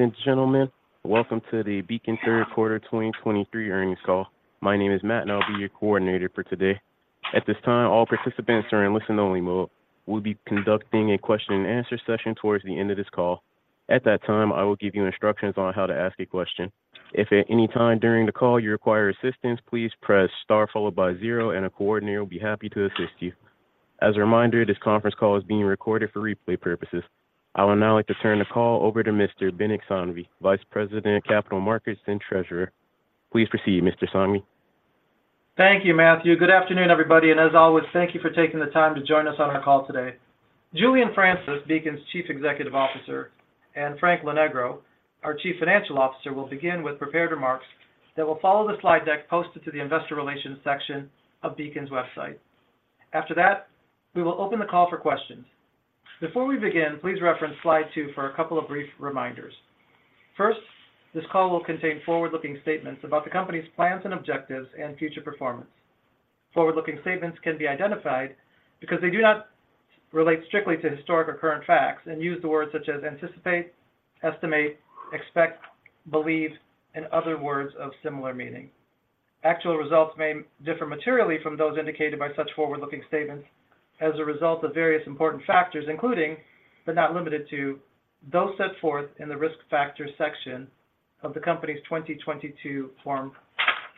Good afternoon, ladies and gentlemen. Welcome to the Beacon Q3 2023 earnings call. My name is Matt, and I'll be your coordinator for today. At this time, all participants are in listen-only mode. We'll be conducting a question and answer session towards the end of this call. At that time, I will give you instructions on how to ask a question. If at any time during the call you require assistance, please press star followed by zero, and a coordinator will be happy to assist you. As a reminder, this conference call is being recorded for replay purposes. I would now like to turn the call over to Mr. Binit Sanghvi, Vice President of Capital Markets and Treasurer. Please proceed, Mr. Sanghvi. Thank you, Matthew. Good afternoon, everybody, and as always, thank you for taking the time to join us on our call today. Julian Francis, Beacon's Chief Executive Officer, and Frank Lonegro, our Chief Financial Officer, will begin with prepared remarks that will follow the slide deck posted to the investor relations section of Beacon's website. After that, we will open the call for questions. Before we begin, please reference slide two for a couple of brief reminders. First, this call will contain forward-looking statements about the company's plans and objectives and future performance. Forward-looking statements can be identified because they do not relate strictly to historic or current facts and use the words such as anticipate, estimate, expect, believe, and other words of similar meaning. Actual results may differ materially from those indicated by such forward-looking statements as a result of various important factors, including, but not limited to, those set forth in the Risk Factors Section of the company's 2022 Form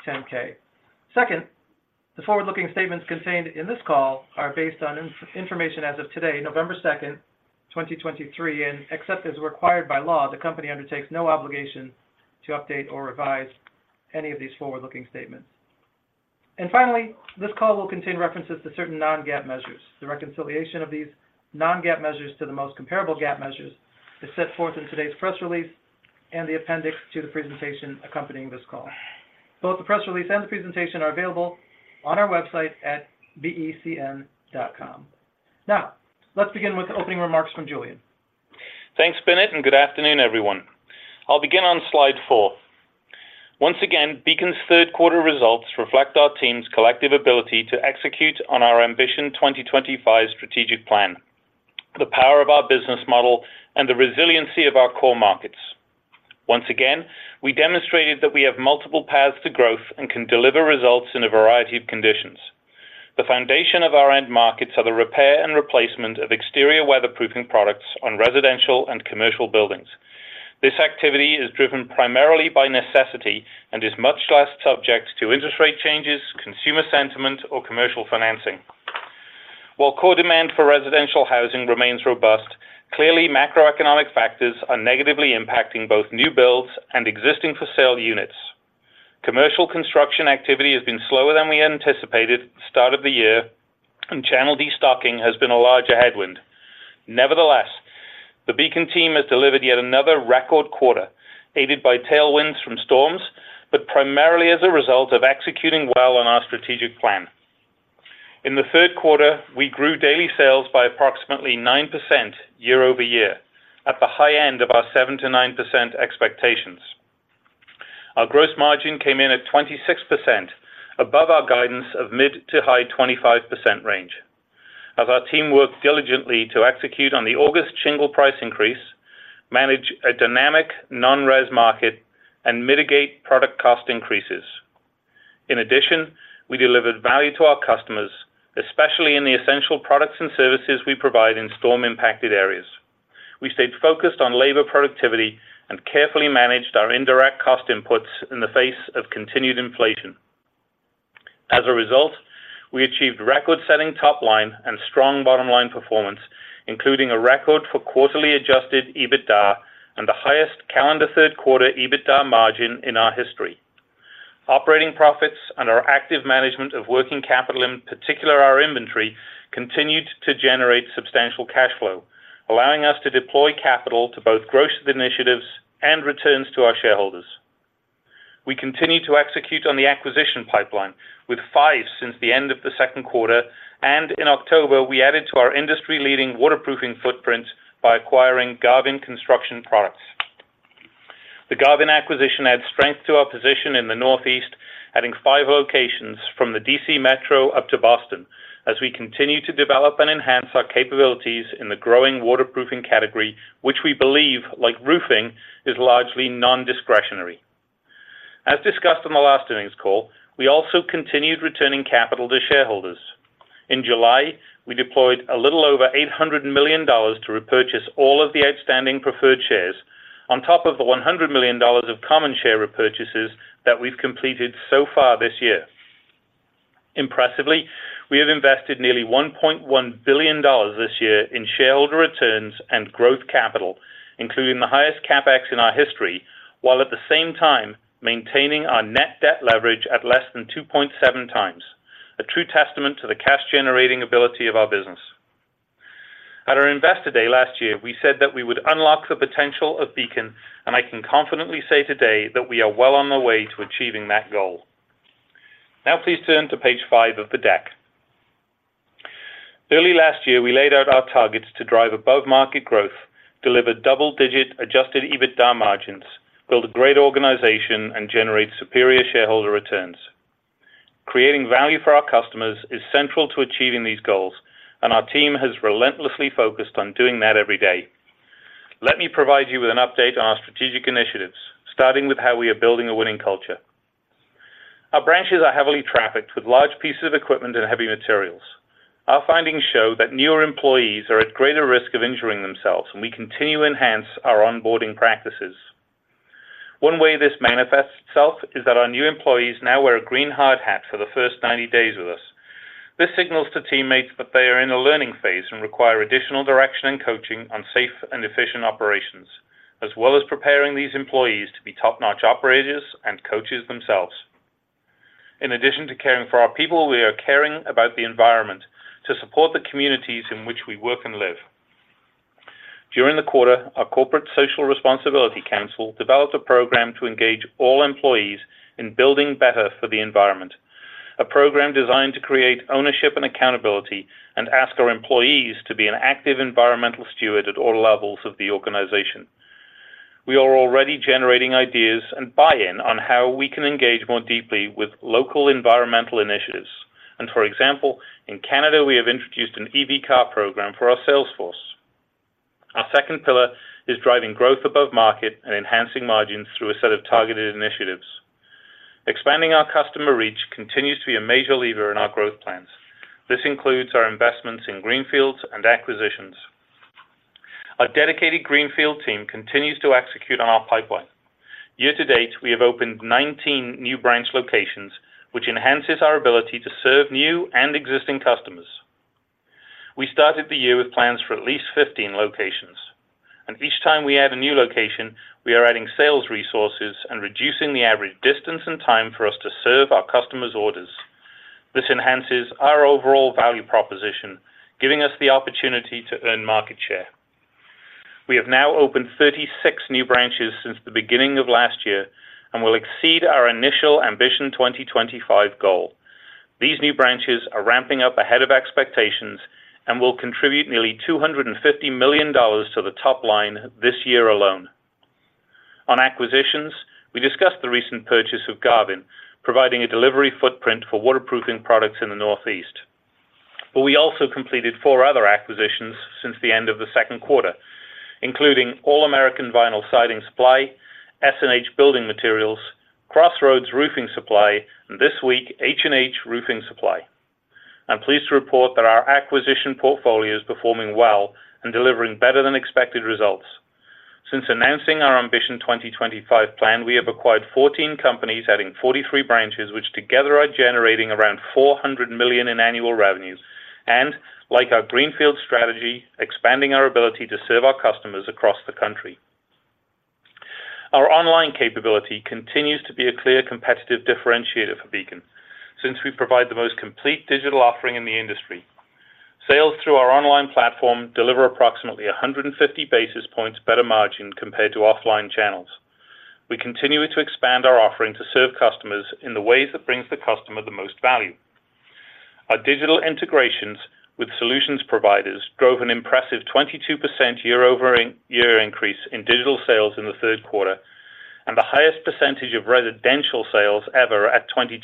10-K. Second, the forward-looking statements contained in this call are based on information as of today, November 2, 2023, and except as required by law, the company undertakes no obligation to update or revise any of these forward-looking statements. And finally, this call will contain references to certain non-GAAP measures. The reconciliation of these non-GAAP measures to the most comparable GAAP measures is set forth in today's press release and the appendix to the presentation accompanying this call. Both the press release and the presentation are available on our website at becn.com. Now, let's begin with opening remarks from Julian. Thanks, Binit, and good afternoon, everyone. I'll begin on slide 4. Once again, Beacon's Q3 results reflect our team's collective ability to execute on our Ambition 2025 strategic plan, the power of our business model, and the resiliency of our core markets. Once again, we demonstrated that we have multiple paths to growth and can deliver results in a variety of conditions. The foundation of our end markets are the repair and replacement of exterior weatherproofing products on residential and commercial buildings. This activity is driven primarily by necessity and is much less subject to interest rate changes, consumer sentiment, or commercial financing. While core demand for residential housing remains robust, clearly, macroeconomic factors are negatively impacting both new builds and existing for sale units. Commercial construction activity has been slower than we anticipated start of the year, and channel destocking has been a larger headwind. Nevertheless, the Beacon team has delivered yet another record quarter, aided by tailwinds from storms, but primarily as a result of executing well on our strategic plan. In the Q3, we grew daily sales by approximately 9% year-over-year, at the high end of our 7%-9% expectations. Our gross margin came in at 26%, above our guidance of mid- to high-25% range. As our team worked diligently to execute on the August shingle price increase, manage a dynamic non-res market, and mitigate product cost increases. In addition, we delivered value to our customers, especially in the essential products and services we provide in storm-impacted areas. We stayed focused on labor productivity and carefully managed our indirect cost inputs in the face of continued inflation. As a result, we achieved record-setting top line and strong bottom line performance, including a record for quarterly Adjusted EBITDA and the highest calendar Q3 EBITDA margin in our history. Operating profits and our active management of working capital, in particular our inventory, continued to generate substantial cash flow, allowing us to deploy capital to both growth initiatives and returns to our shareholders. We continue to execute on the acquisition pipeline with five since the end of the Q2, and in October, we added to our industry-leading waterproofing footprint by acquiring Garvin Construction Products. The Garvin acquisition adds strength to our position in the Northeast, adding five locations from the DC Metro up to Boston, as we continue to develop and enhance our capabilities in the growing waterproofing category, which we believe, like roofing, is largely non-discretionary. As discussed on the last earnings call, we also continued returning capital to shareholders. In July, we deployed a little over $800 million to repurchase all of the outstanding preferred shares, on top of the $100 million of common share repurchases that we've completed so far this year. Impressively, we have invested nearly $1.1 billion this year in shareholder returns and growth capital, including the highest CapEx in our history, while at the same time maintaining our net debt leverage at less than 2.7 times, a true testament to the cash-generating ability of our business. At our Investor Day last year, we said that we would unlock the potential of Beacon, and I can confidently say today that we are well on the way to achieving that goal. Now please turn to page 5 of the deck. Early last year, we laid out our targets to drive above-market growth, deliver double-digit Adjusted EBITDA margins, build a great organization, and generate superior shareholder returns... Creating value for our customers is central to achieving these goals, and our team has relentlessly focused on doing that every day. Let me provide you with an update on our strategic initiatives, starting with how we are building a winning culture. Our branches are heavily trafficked with large pieces of equipment and heavy materials. Our findings show that newer employees are at greater risk of injuring themselves, and we continue to enhance our onboarding practices. One way this manifests itself is that our new employees now wear a green hard hat for the first 90 days with us. This signals to teammates that they are in a learning phase and require additional direction and coaching on safe and efficient operations, as well as preparing these employees to be top-notch operators and coaches themselves. In addition to caring for our people, we are caring about the environment to support the communities in which we work and live. During the quarter, our Corporate Social Responsibility Council developed a program to engage all employees in building better for the environment, a program designed to create ownership and accountability and ask our employees to be an active environmental steward at all levels of the organization. We are already generating ideas and buy-in on how we can engage more deeply with local environmental initiatives. And for example, in Canada, we have introduced an EV car program for our sales force. Our second pillar is driving growth above market and enhancing margins through a set of targeted initiatives. Expanding our customer reach continues to be a major lever in our growth plans. This includes our investments in greenfields and acquisitions. Our dedicated greenfield team continues to execute on our pipeline. Year to date, we have opened 19 new branch locations, which enhances our ability to serve new and existing customers. We started the year with plans for at least 15 locations, and each time we add a new location, we are adding sales resources and reducing the average distance and time for us to serve our customers' orders. This enhances our overall value proposition, giving us the opportunity to earn market share. We have now opened 36 new branches since the beginning of last year and will exceed our initial Ambition 2025 goal. These new branches are ramping up ahead of expectations and will contribute nearly $250 million to the top line this year alone. On acquisitions, we discussed the recent purchase of Garvin, providing a delivery footprint for waterproofing products in the Northeast. But we also completed 4 other acquisitions since the end of the Q2, including All American Vinyl Siding Supply, S&H Building Materials, Crossroads Roofing Supply, and this week, H&H Roofing Supply. I'm pleased to report that our acquisition portfolio is performing well and delivering better than expected results. Since announcing our Ambition 2025 plan, we have acquired 14 companies adding 43 branches, which together are generating around $400 million in annual revenues, and like our greenfield strategy, expanding our ability to serve our customers across the country. Our online capability continues to be a clear competitive differentiator for Beacon, since we provide the most complete digital offering in the industry. Sales through our online platform deliver approximately 150 basis points better margin compared to offline channels. We continue to expand our offering to serve customers in the ways that brings the customer the most value. Our digital integrations with solutions providers drove an impressive 22% year-over-year increase in digital sales in the Q3, and the highest percentage of residential sales ever at 22%.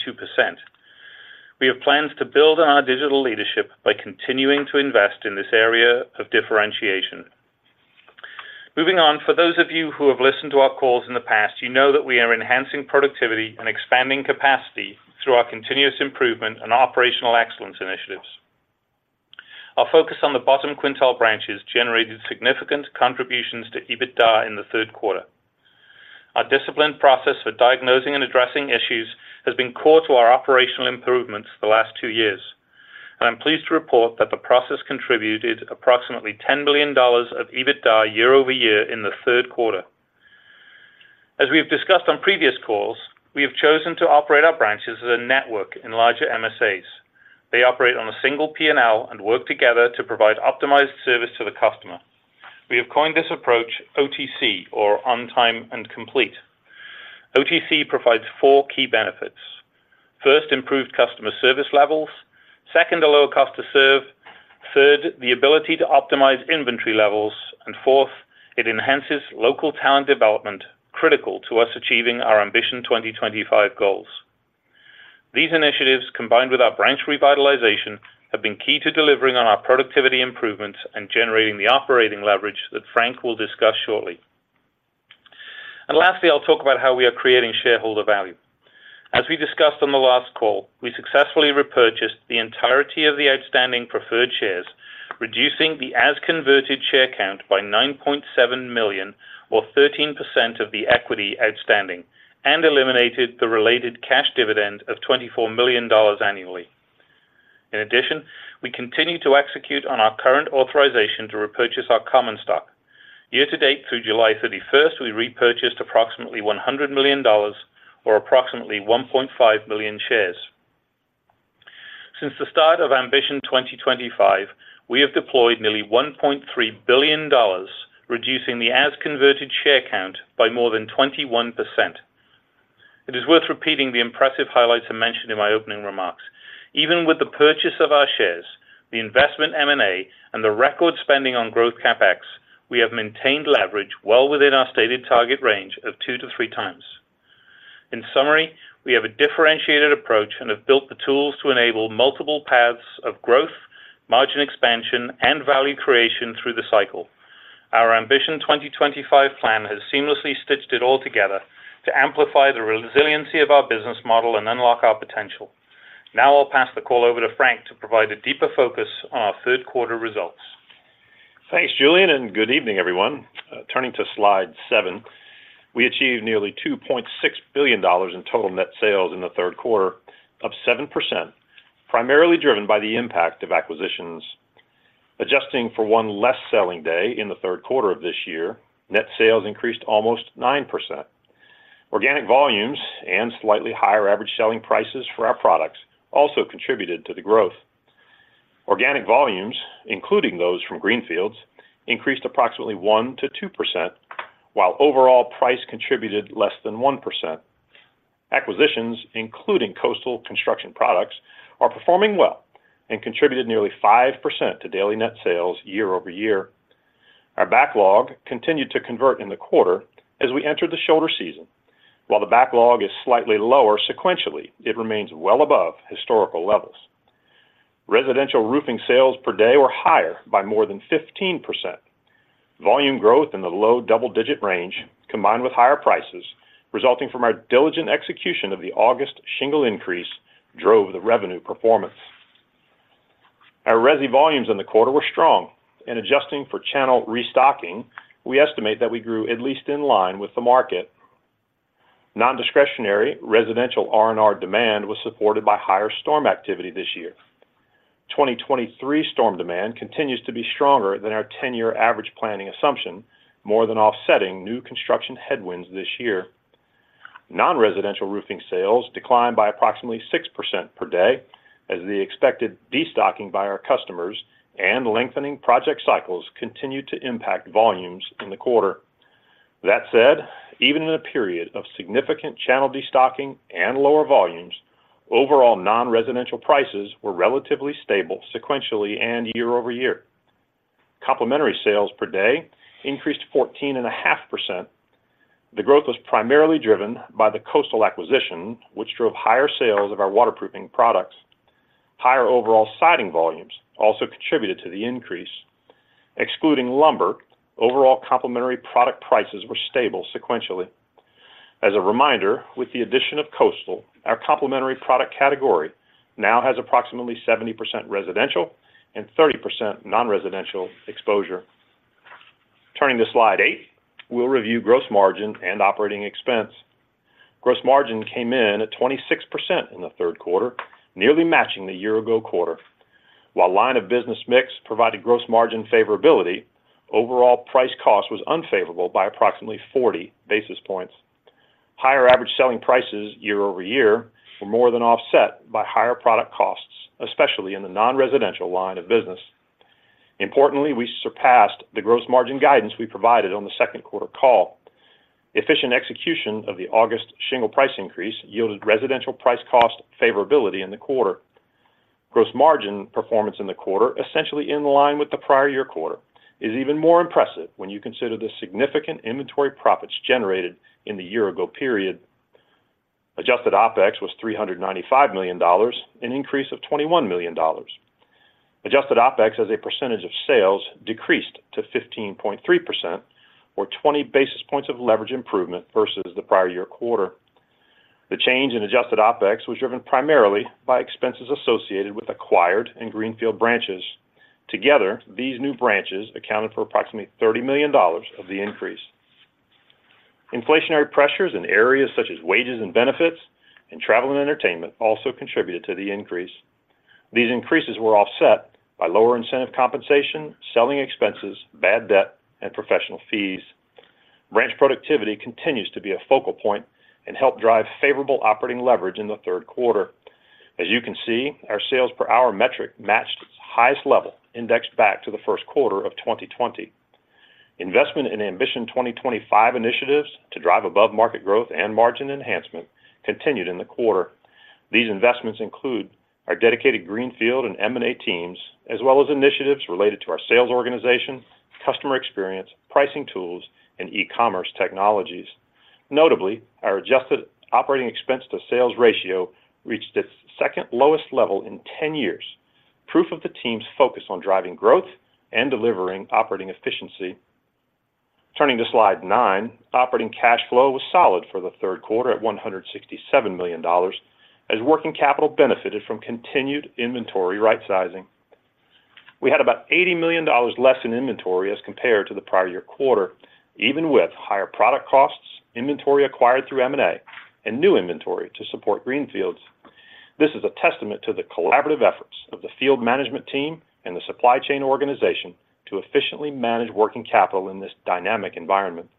We have plans to build on our digital leadership by continuing to invest in this area of differentiation. Moving on, for those of you who have listened to our calls in the past, you know that we are enhancing productivity and expanding capacity through our continuous improvement and operational excellence initiatives. Our focus on the bottom quintile branches generated significant contributions to EBITDA in the Q3. Our disciplined process for diagnosing and addressing issues has been core to our operational improvements for the last 2 years, and I'm pleased to report that the process contributed approximately $10 billion of EBITDA year-over-year in the Q3. As we've discussed on previous calls, we have chosen to operate our branches as a network in larger MSAs. They operate on a single P&L and work together to provide optimized service to the customer. We have coined this approach OTC, or On Time and Complete. OTC provides four key benefits. First, improved customer service levels, second, a lower cost to serve, third, the ability to optimize inventory levels, and fourth, it enhances local talent development, critical to us achieving our Ambition 2025 goals. These initiatives, combined with our branch revitalization, have been key to delivering on our productivity improvements and generating the operating leverage that Frank will discuss shortly. Lastly, I'll talk about how we are creating shareholder value. As we discussed on the last call, we successfully repurchased the entirety of the outstanding preferred shares, reducing the as converted share count by 9.7 million, or 13% of the equity outstanding, and eliminated the related cash dividend of $24 million annually. In addition, we continue to execute on our current authorization to repurchase our common stock. Year to date through July 31, we repurchased approximately $100 million or approximately 1.5 million shares. Since the start of Ambition 2025, we have deployed nearly $1.3 billion, reducing the as converted share count by more than 21%. It is worth repeating the impressive highlights I mentioned in my opening remarks. Even with the purchase of our shares, the investment M&A, and the record spending on growth CapEx, we have maintained leverage well within our stated target range of 2-3 times. In summary, we have a differentiated approach and have built the tools to enable multiple paths of growth, margin expansion, and value creation through the cycle. Our Ambition 2025 plan has seamlessly stitched it all together to amplify the resiliency of our business model and unlock our potential. Now I'll pass the call over to Frank to provide a deeper focus on our Q3 results. Thanks, Julian, and good evening, everyone. Turning to Slide 7, we achieved nearly $2.6 billion in total net sales in the Q3 of 7%, primarily driven by the impact of acquisitions. Adjusting for one less selling day in the Q3 of this year, net sales increased almost 9%. Organic volumes and slightly higher average selling prices for our products also contributed to the growth. Organic volumes, including those from greenfields, increased approximately 1%-2%, while overall price contributed less than 1%. Acquisitions, including Coastal Construction Products, are performing well and contributed nearly 5% to daily net sales year-over-year. Our backlog continued to convert in the quarter as we entered the shoulder season. While the backlog is slightly lower sequentially, it remains well above historical levels. Residential roofing sales per day were higher by more than 15%. Volume growth in the low double-digit range, combined with higher prices, resulting from our diligent execution of the August shingle increase, drove the revenue performance. Our resi volumes in the quarter were strong, and adjusting for channel restocking, we estimate that we grew at least in line with the market. Nondiscretionary residential R&R demand was supported by higher storm activity this year. 2023 storm demand continues to be stronger than our 10-year average planning assumption, more than offsetting new construction headwinds this year. Non-residential roofing sales declined by approximately 6% per day as the expected destocking by our customers and lengthening project cycles continued to impact volumes in the quarter. That said, even in a period of significant channel destocking and lower volumes, overall non-residential prices were relatively stable sequentially and year-over-year. Complementary sales per day increased 14.5%. The growth was primarily driven by the Coastal acquisition, which drove higher sales of our waterproofing products. Higher overall siding volumes also contributed to the increase. Excluding lumber, overall complementary product prices were stable sequentially. As a reminder, with the addition of Coastal, our complementary product category now has approximately 70% residential and 30% non-residential exposure. Turning to Slide 8, we'll review gross margin and operating expense. Gross margin came in at 26% in the Q3, nearly matching the year-ago quarter. While line of business mix provided gross margin favorability, overall price cost was unfavorable by approximately 40 basis points. Higher average selling prices year-over-year were more than offset by higher product costs, especially in the non-residential line of business. Importantly, we surpassed the gross margin guidance we provided on the Q2 call. Efficient execution of the August shingle price increase yielded residential price cost favorability in the quarter. Gross margin performance in the quarter, essentially in line with the prior year quarter, is even more impressive when you consider the significant inventory profits generated in the year-ago period. Adjusted OpEx was $395 million, an increase of $21 million. Adjusted OpEx as a percentage of sales decreased to 15.3% or 20 basis points of leverage improvement versus the prior year quarter. The change in adjusted OpEx was driven primarily by expenses associated with acquired and greenfield branches. Together, these new branches accounted for approximately $30 million of the increase. Inflationary pressures in areas such as wages and benefits and travel and entertainment also contributed to the increase. These increases were offset by lower incentive compensation, selling expenses, bad debt, and professional fees. Branch productivity continues to be a focal point and help drive favorable operating leverage in the Q3. As you can see, our sales per hour metric matched its highest level, indexed back to the Q1 of 2020. Investment in Ambition 2025 initiatives to drive above-market growth and margin enhancement continued in the quarter. These investments include our dedicated greenfield and M&A teams, as well as initiatives related to our sales organization, customer experience, pricing tools, and e-commerce technologies. Notably, our adjusted operating expense to sales ratio reached its second lowest level in 10 years. Proof of the team's focus on driving growth and delivering operating efficiency. Turning to Slide 9, operating cash flow was solid for the Q3 at $167 million, as working capital benefited from continued inventory rightsizing. We had about $80 million less in inventory as compared to the prior year quarter, even with higher product costs, inventory acquired through M&A, and new inventory to support greenfields. This is a testament to the collaborative efforts of the field management team and the supply chain organization to efficiently manage working capital in this dynamic environment.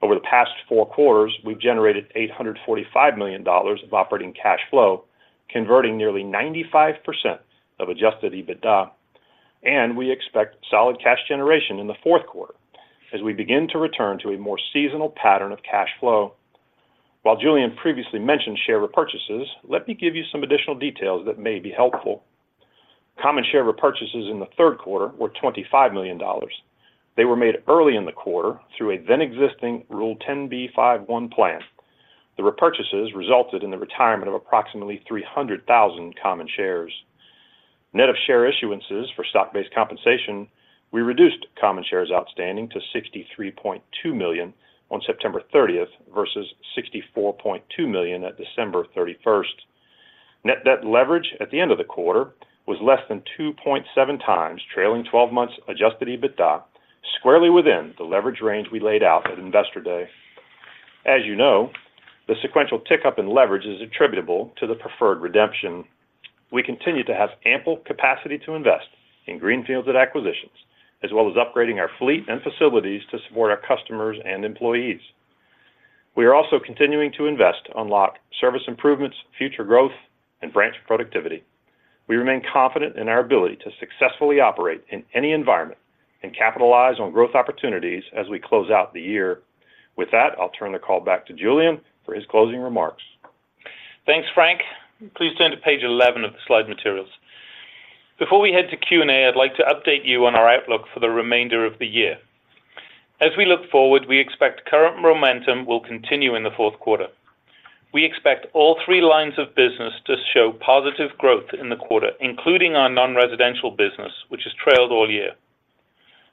Over the past four quarters, we've generated $845 million of operating cash flow, converting nearly 95% of Adjusted EBITDA, and we expect solid cash generation in the Q4 as we begin to return to a more seasonal pattern of cash flow. While Julian previously mentioned share repurchases, let me give you some additional details that may be helpful. Common share repurchases in the Q3 were $25 million. They were made early in the quarter through a then existing Rule 10b5-1 plan. The repurchases resulted in the retirement of approximately 300,000 common shares. Net of share issuances for stock-based compensation, we reduced common shares outstanding to 63.2 million on September 30 versus 64.2 million at December 31. Net debt leverage at the end of the quarter was less than 2.7 times, trailing 12 months Adjusted EBITDA, squarely within the leverage range we laid out at Investor Day. As you know, the sequential tick up in leverage is attributable to the preferred redemption. We continue to have ample capacity to invest in greenfields and acquisitions, as well as upgrading our fleet and facilities to support our customers and employees. We are also continuing to invest to unlock service improvements, future growth, and branch productivity. We remain confident in our ability to successfully operate in any environment and capitalize on growth opportunities as we close out the year. With that, I'll turn the call back to Julian for his closing remarks. Thanks, Frank. Please turn to page 11 of the slide materials. Before we head to Q&A, I'd like to update you on our outlook for the remainder of the year. As we look forward, we expect current momentum will continue in the Q4. We expect all three lines of business to show positive growth in the quarter, including our non-residential business, which has trailed all year.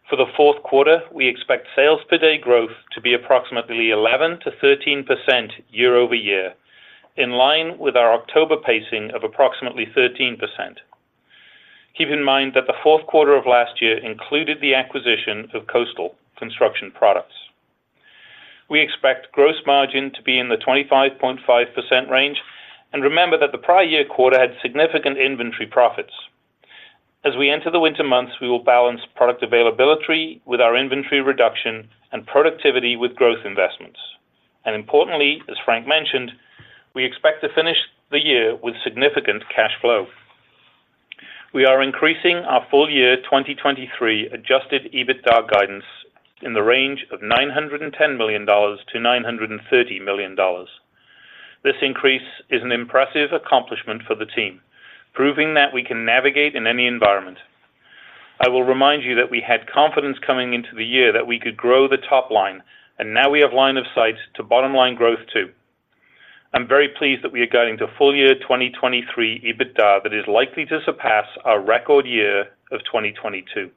For the Q4, we expect sales per day growth to be approximately 11%-13% year-over-year, in line with our October pacing of approximately 13%. Keep in mind that the Q4 of last year included the acquisition of Coastal Construction Products. We expect gross margin to be in the 25.5% range, and remember that the prior year quarter had significant inventory profits. As we enter the winter months, we will balance product availability with our inventory reduction and productivity with growth investments. Importantly, as Frank mentioned, we expect to finish the year with significant cash flow. We are increasing our full year 2023 Adjusted EBITDA guidance in the range of $910 million-$930 million. This increase is an impressive accomplishment for the team, proving that we can navigate in any environment. I will remind you that we had confidence coming into the year that we could grow the top line, and now we have line of sight to bottom line growth, too. I'm very pleased that we are guiding to full year 2023 EBITDA that is likely to surpass our record year of 2022.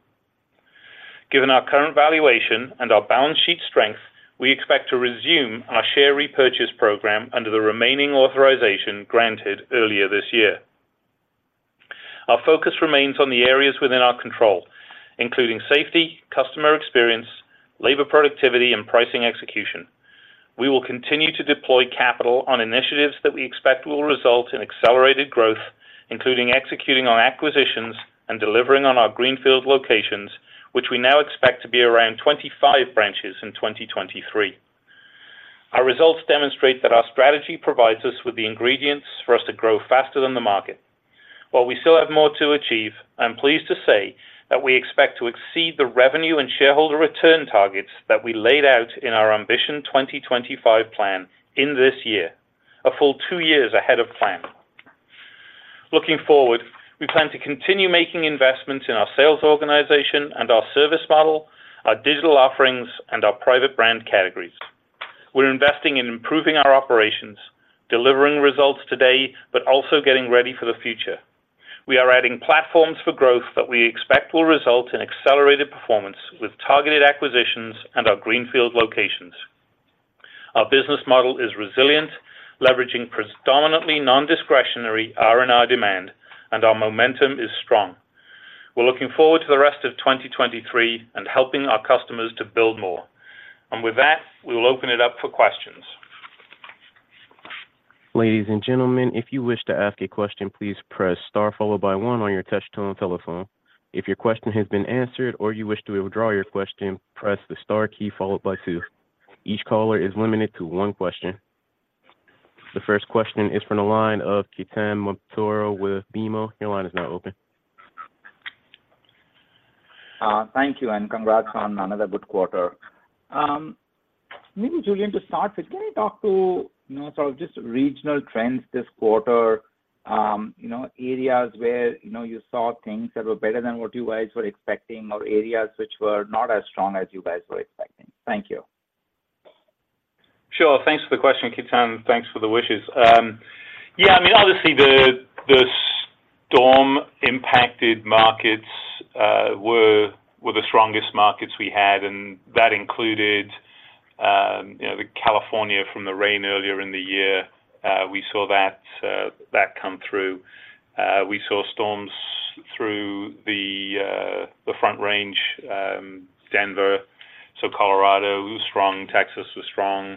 Given our current valuation and our balance sheet strength, we expect to resume our share repurchase program under the remaining authorization granted earlier this year. Our focus remains on the areas within our control, including safety, customer experience, labor productivity, and pricing execution. We will continue to deploy capital on initiatives that we expect will result in accelerated growth, including executing on acquisitions and delivering on our greenfield locations, which we now expect to be around 25 branches in 2023. Our results demonstrate that our strategy provides us with the ingredients for us to grow faster than the market. While we still have more to achieve, I'm pleased to say that we expect to exceed the revenue and shareholder return targets that we laid out in our Ambition 2025 plan in this year, a full 2 years ahead of plan. Looking forward, we plan to continue making investments in our sales organization and our service model, our digital offerings, and our private brand categories. We're investing in improving our operations, delivering results today, but also getting ready for the future. We are adding platforms for growth that we expect will result in accelerated performance with targeted acquisitions and our greenfield locations. Our business model is resilient, leveraging predominantly non-discretionary R&R demand, and our momentum is strong. We're looking forward to the rest of 2023 and helping our customers to build more. And with that, we will open it up for questions. Ladies and gentlemen, if you wish to ask a question, please press Star followed by one on your touchtone telephone. If your question has been answered or you wish to withdraw your question, press the star key followed by two. Each caller is limited to one question. The first question is from the line of Ketan Mamtora with BMO. Your line is now open. Thank you, and congrats on another good quarter. Maybe, Julian, to start with, can you talk to, you know, sort of just regional trends this quarter, you know, areas where, you know, you saw things that were better than what you guys were expecting or areas which were not as strong as you guys were expecting? Thank you. Sure. Thanks for the question, Ketan. Thanks for the wishes. Yeah, I mean, obviously, the storm-impacted markets were the strongest markets we had, and that included, you know, the California from the rain earlier in the year. We saw that come through. We saw storms through the Front Range, Denver, so Colorado was strong, Texas was strong,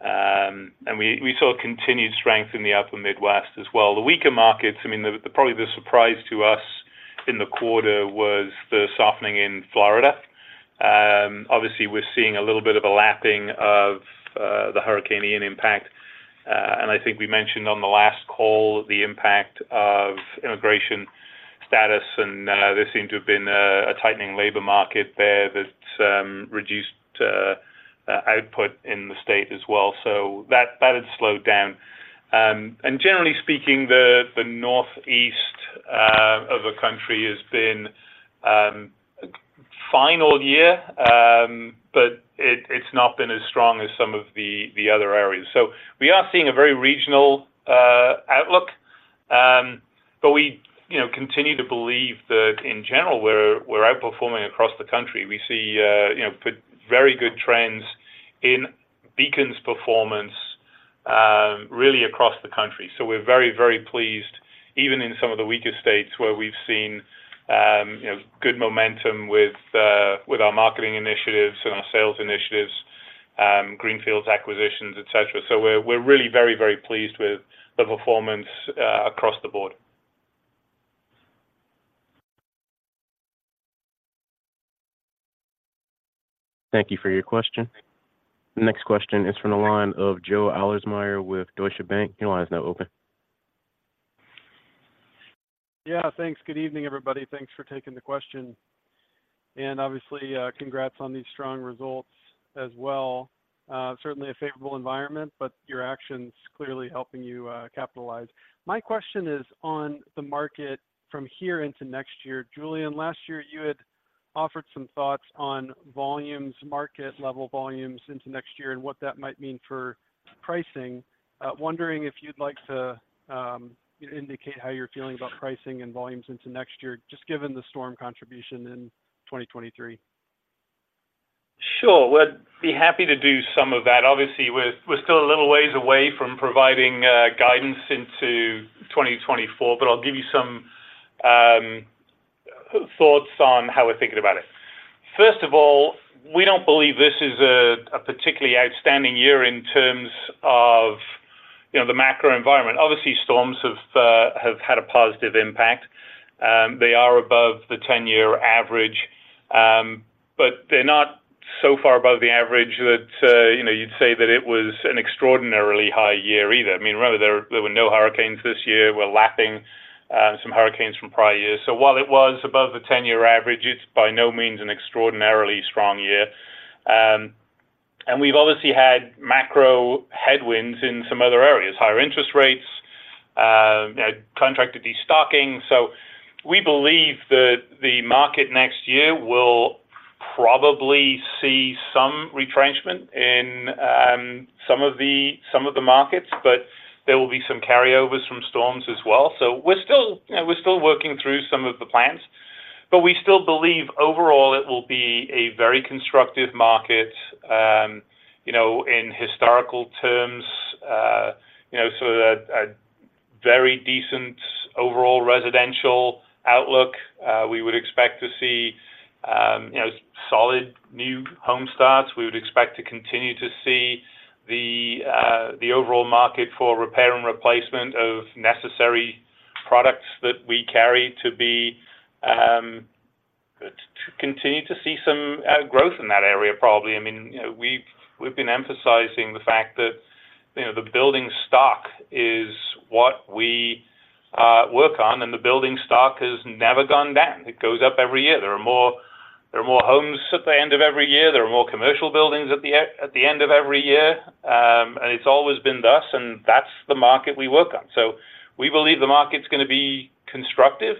and we saw continued strength in the Upper Midwest as well. The weaker markets, I mean, probably the surprise to us in the quarter was the softening in Florida. Obviously, we're seeing a little bit of a lapping of the Hurricane Ian impact, and I think we mentioned on the last call the impact of immigration status, and there seemed to have been a tightening labor market there that reduced output in the state as well. So that had slowed down. And generally speaking, the Northeast of the country has been fine all year, but it's not been as strong as some of the other areas. So we are seeing a very regional outlook, but we you know continue to believe that in general, we're outperforming across the country. We see you know pretty very good trends in Beacon's performance really across the country. So we're very, very pleased, even in some of the weaker states where we've seen you know good momentum with our marketing initiatives and our sales initiatives, greenfields acquisitions, etc. We're really very, very pleased with the performance across the board. Thank you for your question. The next question is from the line of Joe Ahlersmeyer with Deutsche Bank. Your line is now open. Yeah, thanks. Good evening, everybody. Thanks for taking the question. And obviously, congrats on these strong results as well. Certainly a favorable environment, but your actions clearly helping you, capitalize. My question is on the market from here into next year. Julian, last year you had offered some thoughts on volumes, market level volumes into next year and what that might mean for pricing. Wondering if you'd like to, indicate how you're feeling about pricing and volumes into next year, just given the storm contribution in 2023. Sure. Well, I'd be happy to do some of that. Obviously, we're still a little ways away from providing guidance into 2024, but I'll give you some thoughts on how we're thinking about it. First of all, we don't believe this is a particularly outstanding year in terms of, you know, the macro environment. Obviously, storms have had a positive impact. They are above the 10-year average, but they're not so far above the average that, you know, you'd say that it was an extraordinarily high year either. I mean, remember, there were no hurricanes this year. We're lapping some hurricanes from prior years. So while it was above the 10-year average, it's by no means an extraordinarily strong year. And we've obviously had macro headwinds in some other areas, higher interest rates, contracted destocking. So we believe that the market next year will probably see some retrenchment in some of the markets, but there will be some carryovers from storms as well. So we're still, you know, working through some of the plans, but we still believe overall it will be a very constructive market, you know, in historical terms, you know, so a very decent overall residential outlook. We would expect to see, you know, solid new home starts. We would expect to continue to see the overall market for repair and replacement of necessary products that we carry to be to continue to see some growth in that area, probably. I mean, you know, we've, we've been emphasizing the fact that, you know, the building stock is what we work on, and the building stock has never gone down. It goes up every year. There are more, there are more homes at the end of every year, there are more commercial buildings at the end of every year, and it's always been thus, and that's the market we work on. So we believe the market's gonna be constructive.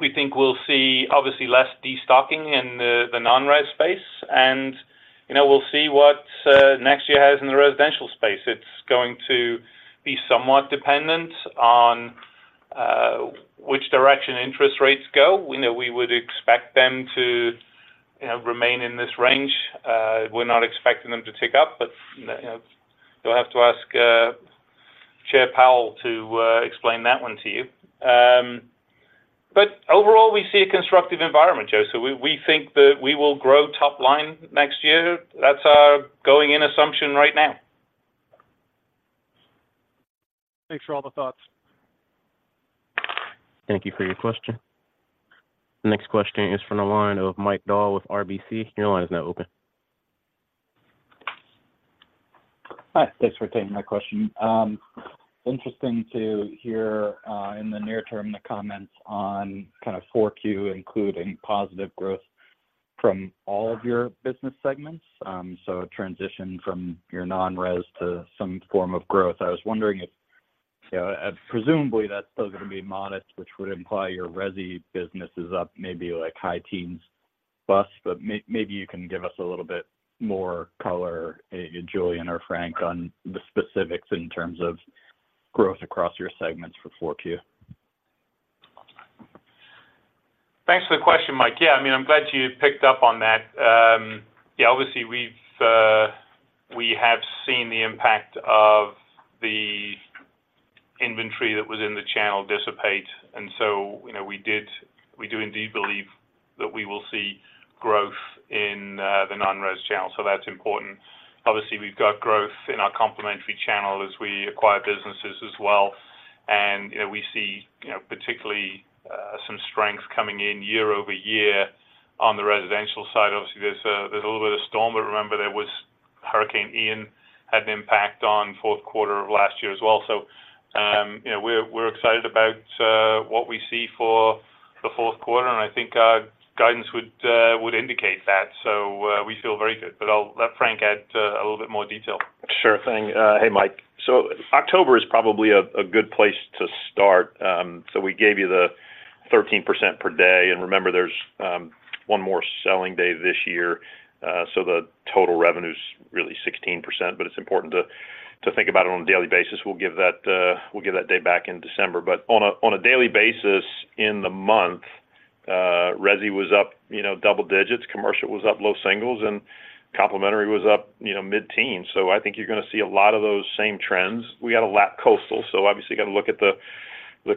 We think we'll see obviously less destocking in the, the non-res space, and, you know, we'll see what next year has in the residential space. It's going to be somewhat dependent on which direction interest rates go. We know we would expect them to, you know, remain in this range. We're not expecting them to tick up, but, you know, you'll have to ask Chair Powell to explain that one to you. But overall, we see a constructive environment, Joe. So we, we think that we will grow top line next year. That's our going-in assumption right now. Thanks for all the thoughts. Thank you for your question. The next question is from the line of Mike Dahl with RBC. Your line is now open. Hi. Thanks for taking my question. Interesting to hear, in the near term, the comments on kind of Q4, including positive growth from all of your business segments. So a transition from your non-res to some form of growth. I was wondering if, you know, presumably that's still gonna be modest, which would imply your resi business is up maybe like high teens plus, but maybe you can give us a little bit more color, Julian or Frank, on the specifics in terms of growth across your segments for Q4. Thanks for the question, Mike. Yeah, I mean, I'm glad you picked up on that. Yeah, obviously, we've, we have seen the impact of the inventory that was in the channel dissipate, and so, you know, we do indeed believe that we will see growth in the non-res channel, so that's important. Obviously, we've got growth in our complementary channel as we acquire businesses as well, and, you know, we see, you know, particularly, some strength coming in year-over-year on the residential side. Obviously, there's a little bit of storm, but remember, Hurricane Ian had an impact on Q4 of last year as well. So, you know, we're, we're excited about what we see for the Q4, and I think our guidance would indicate that. So, we feel very good, but I'll let Frank add a little bit more detail. Sure thing. Hey, Mike. So October is probably a good place to start. So we gave you the 13% per day, and remember, there's one more selling day this year. So the total revenue is really 16%, but it's important to think about it on a daily basis. We'll give that, we'll give that day back in December. But on a daily basis, in the month, resi was up, you know, double digits, commercial was up low singles, and complementary was up, you know, mid-teen. So I think you're gonna see a lot of those same trends. We had a lap Coastal, so obviously, you got to look at the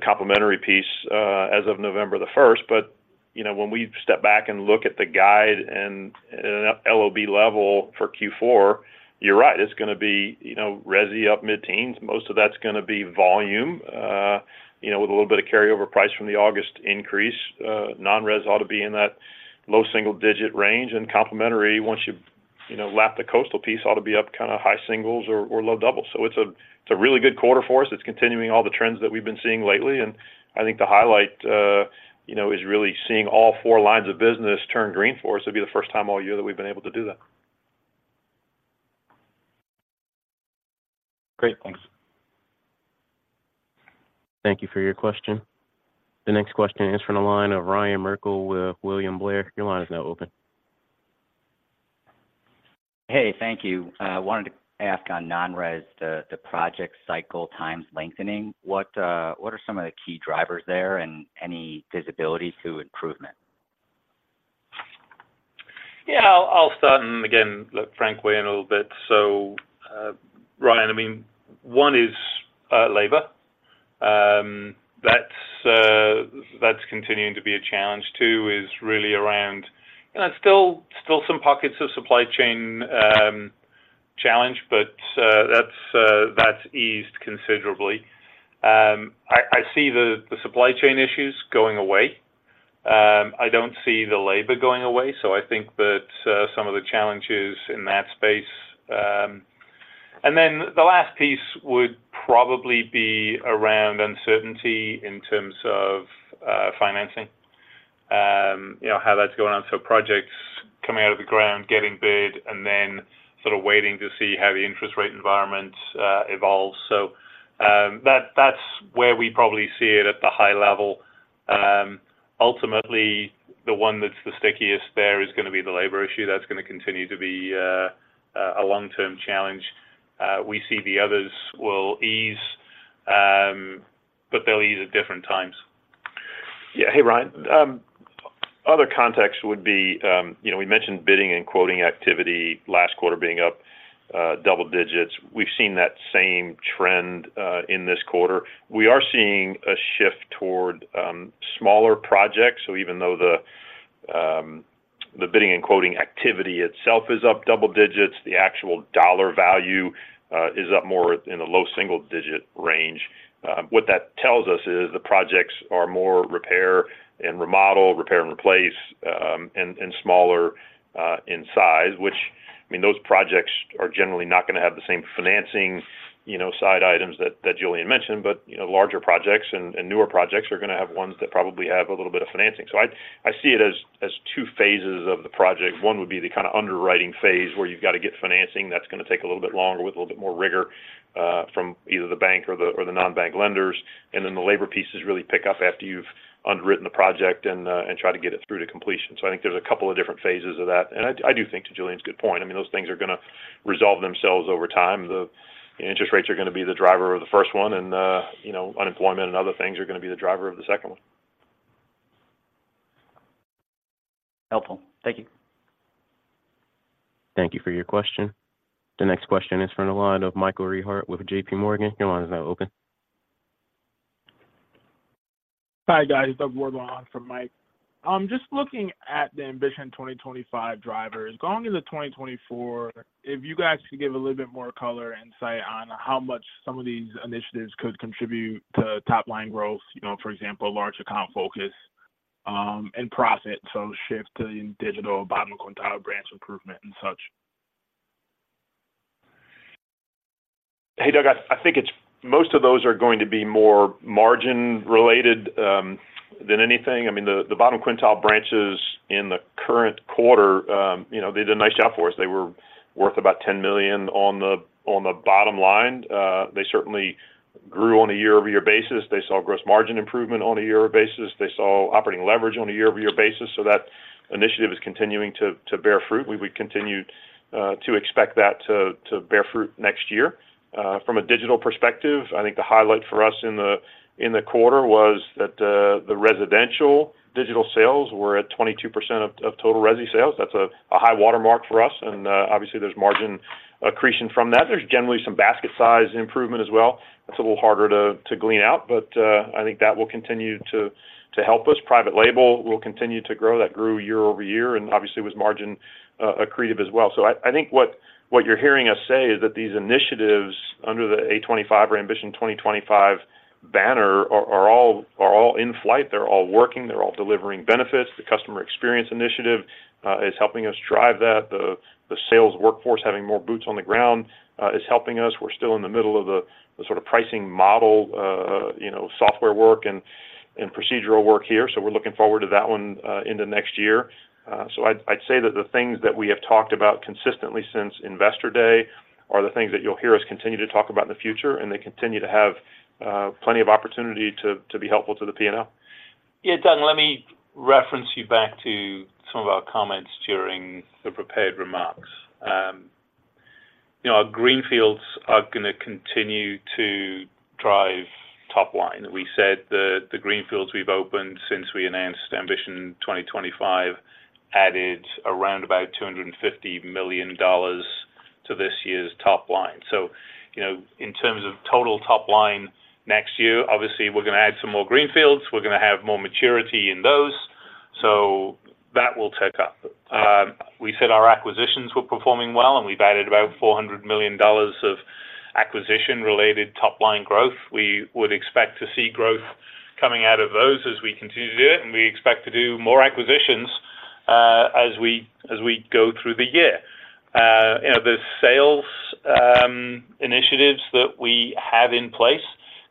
complementary piece, as of November the first. But, you know, when we step back and look at the guide and an LOB level for Q4, you're right, it's gonna be, you know, resi up mid-teens. Most of that's gonna be volume, you know, with a little bit of carryover price from the August increase. Non-res ought to be in that low single-digit range, and complementary, once you, you know, lap the coastal piece, ought to be up kinda high singles or, or low doubles. So it's a, it's a really good quarter for us. It's continuing all the trends that we've been seeing lately, and I think the highlight, you know, is really seeing all four lines of business turn green for us. It'll be the first time all year that we've been able to do that. Great. Thanks. Thank you for your question. The next question is from the line of Ryan Merkel with William Blair. Your line is now open. Hey, thank you. I wanted to ask on non-res, the project cycle times lengthening, what are some of the key drivers there and any visibility to improvement? Yeah, I'll start and again, let Frank weigh in a little bit. So, Ryan, I mean, one is labor. That's continuing to be a challenge. Two is really around, and there's still some pockets of supply chain challenge, but that's eased considerably. I see the supply chain issues going away. I don't see the labor going away, so I think that some of the challenges in that space. And then the last piece would probably be around uncertainty in terms of financing, you know, how that's going on. So projects coming out of the ground, getting bid, and then sort of waiting to see how the interest rate environment evolves. So, that's where we probably see it at the high level. Ultimately, the one that's the stickiest there is gonna be the labor issue. That's gonna continue to be a long-term challenge. We see the others will ease, but they'll ease at different times. Yeah. Hey, Ryan. Other context would be, you know, we mentioned bidding and quoting activity last quarter being up double digits. We've seen that same trend in this quarter. We are seeing a shift toward smaller projects. So even though the bidding and quoting activity itself is up double digits, the actual dollar value is up more in the low single-digit range. What that tells us is the projects are more repair and remodel, repair and replace, and smaller in size, which, I mean, those projects are generally not gonna have the same financing, you know, side items that Julian mentioned. But, you know, larger projects and newer projects are gonna have ones that probably have a little bit of financing. So I see it as two phases of the project. One would be the kinda underwriting phase, where you've got to get financing. That's gonna take a little bit longer with a little bit more rigor from either the bank or the non-bank lenders. And then the labor pieces really pick up after you've underwritten the project and try to get it through to completion. So I think there's a couple of different phases of that. And I do think to Julian's good point, I mean, those things are gonna resolve themselves over time. The interest rates are gonna be the driver of the first one, and you know, unemployment and other things are gonna be the driver of the second one. Helpful. Thank you. Thank you for your question. The next question is from the line of Michael Rehaut with JPMorgan. Your line is now open. Hi, guys. Doug Ward on for Mike. Just looking at the Ambition 2025 drivers, going into 2024, if you guys could give a little bit more color insight on how much some of these initiatives could contribute to top-line growth, you know, for example, large account focus, and profit, so shift to digital, bottom quintile branch improvement, and such. Hey, Doug, I think it's most of those are going to be more margin related than anything. I mean, the bottom quintile branches in the current quarter, you know, they did a nice job for us. They were worth about $10 million on the bottom line. They certainly grew on a year-over-year basis. They saw gross margin improvement on a year basis. They saw operating leverage on a year-over-year basis, so that initiative is continuing to bear fruit. We continued to expect that to bear fruit next year. From a digital perspective, I think the highlight for us in the quarter was that the residential digital sales were at 22% of total resi sales. That's a high watermark for us, and obviously, there's margin accretion from that. There's generally some basket size improvement as well. It's a little harder to glean out, but I think that will continue to help us. Private label will continue to grow. That grew year-over-year and obviously was margin accretive as well. So I think what you're hearing us say is that these initiatives under the A25 or Ambition 2025 banner are all in flight. They're all working, they're all delivering benefits. The customer experience initiative is helping us drive that. The sales workforce, having more boots on the ground, is helping us. We're still in the middle of the sort of pricing model, you know, software work and procedural work here, so we're looking forward to that one in the next year. So I'd say that the things that we have talked about consistently since Investor Day are the things that you'll hear us continue to talk about in the future, and they continue to have plenty of opportunity to be helpful to the P&L. Yeah, Doug, let me reference you back to some of our comments during the prepared remarks. You know, our greenfields are gonna continue to drive top line. We said the greenfields we've opened since we announced Ambition 2025 added around about $250 million to this year's top line. So, you know, in terms of total top line next year, obviously, we're gonna add some more greenfields. We're gonna have more maturity in those, so that will tick up. We said our acquisitions were performing well, and we've added about $400 million of acquisition-related top-line growth. We would expect to see growth coming out of those as we continue to do it, and we expect to do more acquisitions as we go through the year. You know, the sales initiatives that we have in place,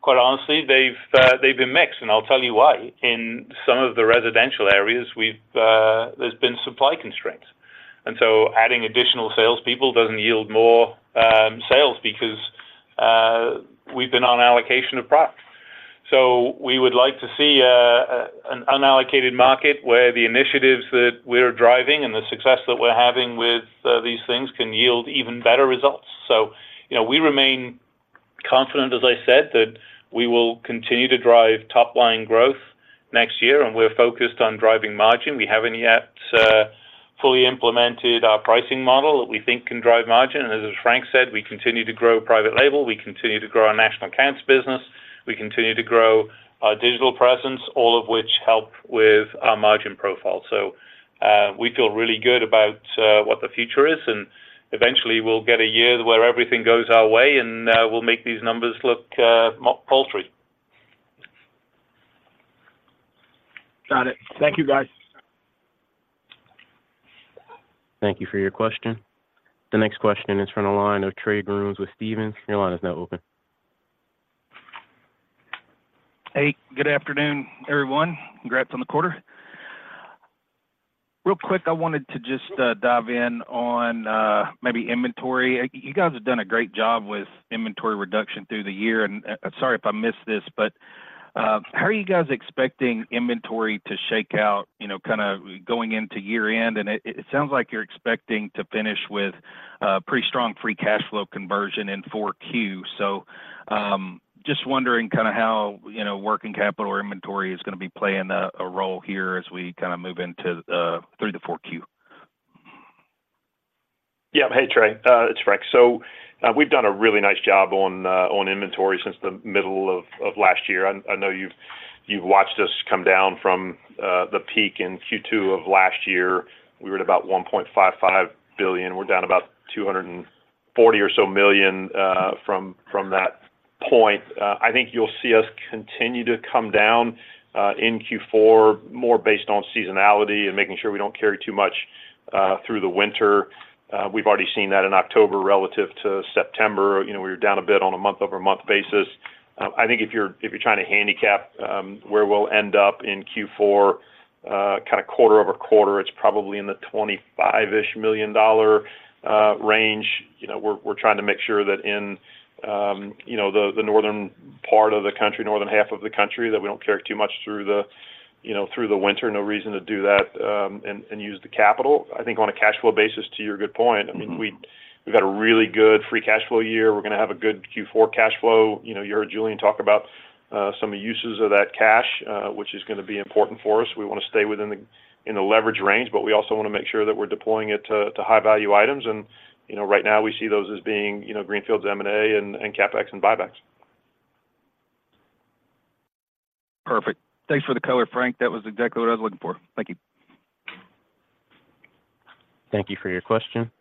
quite honestly, they've, they've been mixed, and I'll tell you why. In some of the residential areas, we've, there's been supply constraints, and so adding additional salespeople doesn't yield more sales because we've been on allocation of products. So we would like to see a, a, an unallocated market where the initiatives that we're driving and the success that we're having with these things can yield even better results. So, you know, we remain confident, as I said, that we will continue to drive top-line growth next year, and we're focused on driving margin. We haven't yet fully implemented our pricing model that we think can drive margin. And as Frank said, we continue to grow private label, we continue to grow our national accounts business, we continue to grow our digital presence, all of which help with our margin profile. So, we feel really good about what the future is, and eventually, we'll get a year where everything goes our way, and we'll make these numbers look paltry. Got it. Thank you, guys. Thank you for your question. The next question is from the line of Trey Grooms with Stephens. Your line is now open. Hey, good afternoon, everyone. Congrats on the quarter. Real quick, I wanted to just dive in on maybe inventory. You guys have done a great job with inventory reduction through the year, and sorry if I missed this, but how are you guys expecting inventory to shake out, you know, kind of going into year-end? And it sounds like you're expecting to finish with pretty strong free cash flow conversion in Q4. So just wondering kind of how, you know, working capital or inventory is gonna be playing a role here as we kinda move into through the Q4. Yeah. Hey, Trey, it's Frank. So, we've done a really nice job on inventory since the middle of last year. I know you've watched us come down from the peak in Q2 of last year. We were at about $1.55 billion. We're down about $240 million or so from that point. I think you'll see us continue to come down in Q4, more based on seasonality and making sure we don't carry too much through the winter. We've already seen that in October relative to September. You know, we were down a bit on a month-over-month basis. I think if you're trying to handicap where we'll end up in Q4, kinda quarter-over-quarter, it's probably in the $25-ish million dollar range. You know, we're trying to make sure that in, you know, the northern part of the country, northern half of the country, that we don't carry too much through the, you know, through the winter. No reason to do that, and use the capital. I think on a cash flow basis, to your good point, I mean, we've had a really good free cash flow year. We're gonna have a good Q4 cash flow. You know, you heard Julian talk about some uses of that cash, which is gonna be important for us. We wanna stay within the leverage range, but we also wanna make sure that we're deploying it to high-value items. And, you know, right now we see those as being, you know, greenfields, M&A, and CapEx and buybacks. Perfect. Thanks for the color, Frank. That was exactly what I was looking for. Thank you. Thank you for your question.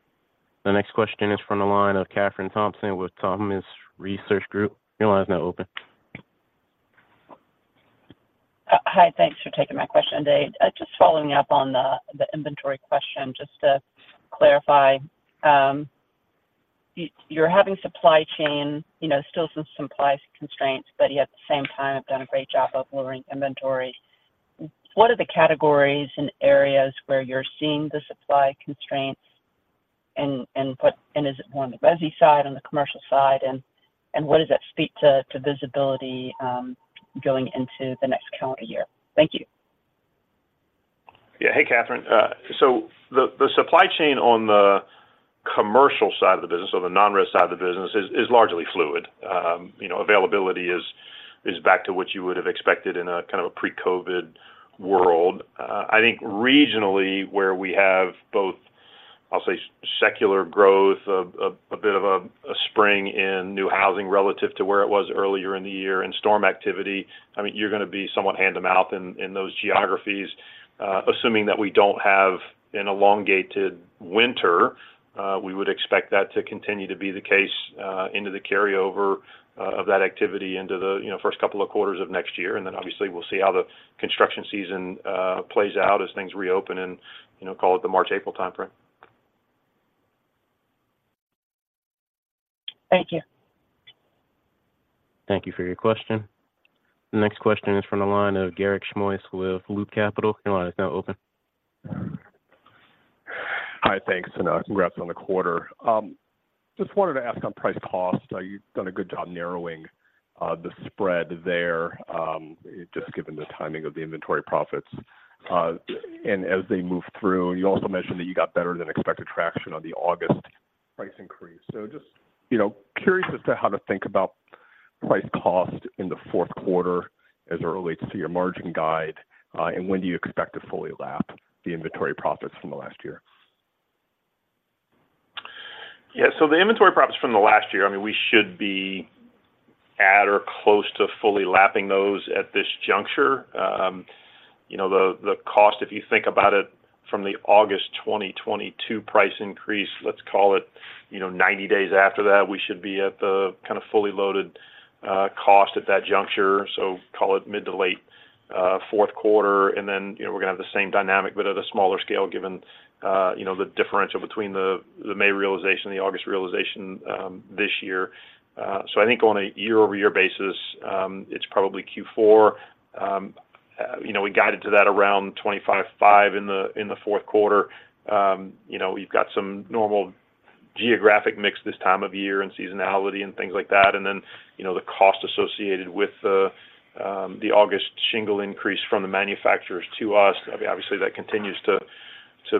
The next question is from the line of Kathryn Thompson with Thompson Research Group. Your line is now open. Hi, thanks for taking my question today. Just following up on the inventory question, just to clarify, you're having supply chain, you know, still some supply constraints, but yet at the same time, have done a great job of lowering inventory. What are the categories and areas where you're seeing the supply constraints? And is it more on the resi side, on the commercial side, and what does that speak to, to visibility, going into the next calendar year? Thank you. Yeah. Hey, Kathryn. So the supply chain on the commercial side of the business or the non-res side of the business is largely fluid. You know, availability is back to what you would have expected in a kind of a pre-COVID world. I think regionally, where we have both, I'll say, secular growth, a bit of a spring in new housing relative to where it was earlier in the year in storm activity, I mean, you're gonna be somewhat hand-to-mouth in those geographies. Assuming that we don't have an elongated winter, we would expect that to continue to be the case into the carryover of that activity into the, you know, first couple of quarters of next year. Then obviously, we'll see how the construction season plays out as things reopen in, you know, call it the March, April timeframe. Thank you. Thank you for your question. The next question is from the line of Garik Shmois with Loop Capital. Your line is now open. Hi, thanks, and congrats on the quarter. Just wanted to ask on price cost. You've done a good job narrowing the spread there, just given the timing of the inventory profits. And as they move through, you also mentioned that you got better-than-expected traction on the August price increase. So just, you know, curious as to how to think about price cost in the Q4 as it relates to your margin guide, and when do you expect to fully lap the inventory profits from the last year? Yeah, so the inventory profits from the last year, I mean, we should be at or close to fully lapping those at this juncture. You know, the, the cost, if you think about it from the August 2022 price increase, let's call it, you know, 90 days after that, we should be at the kind of fully loaded cost at that juncture, so call it mid to late Q4. And then, you know, we're going to have the same dynamic but at a smaller scale, given, you know, the differential between the, the May realization and the August realization this year. So I think on a year-over-year basis, it's probably Q4. You know, we guided to that around 2025 in the, in the Q4. You know, we've got some normal geographic mix this time of year and seasonality and things like that. And then, you know, the cost associated with the August shingle increase from the manufacturers to us. I mean, obviously, that continues to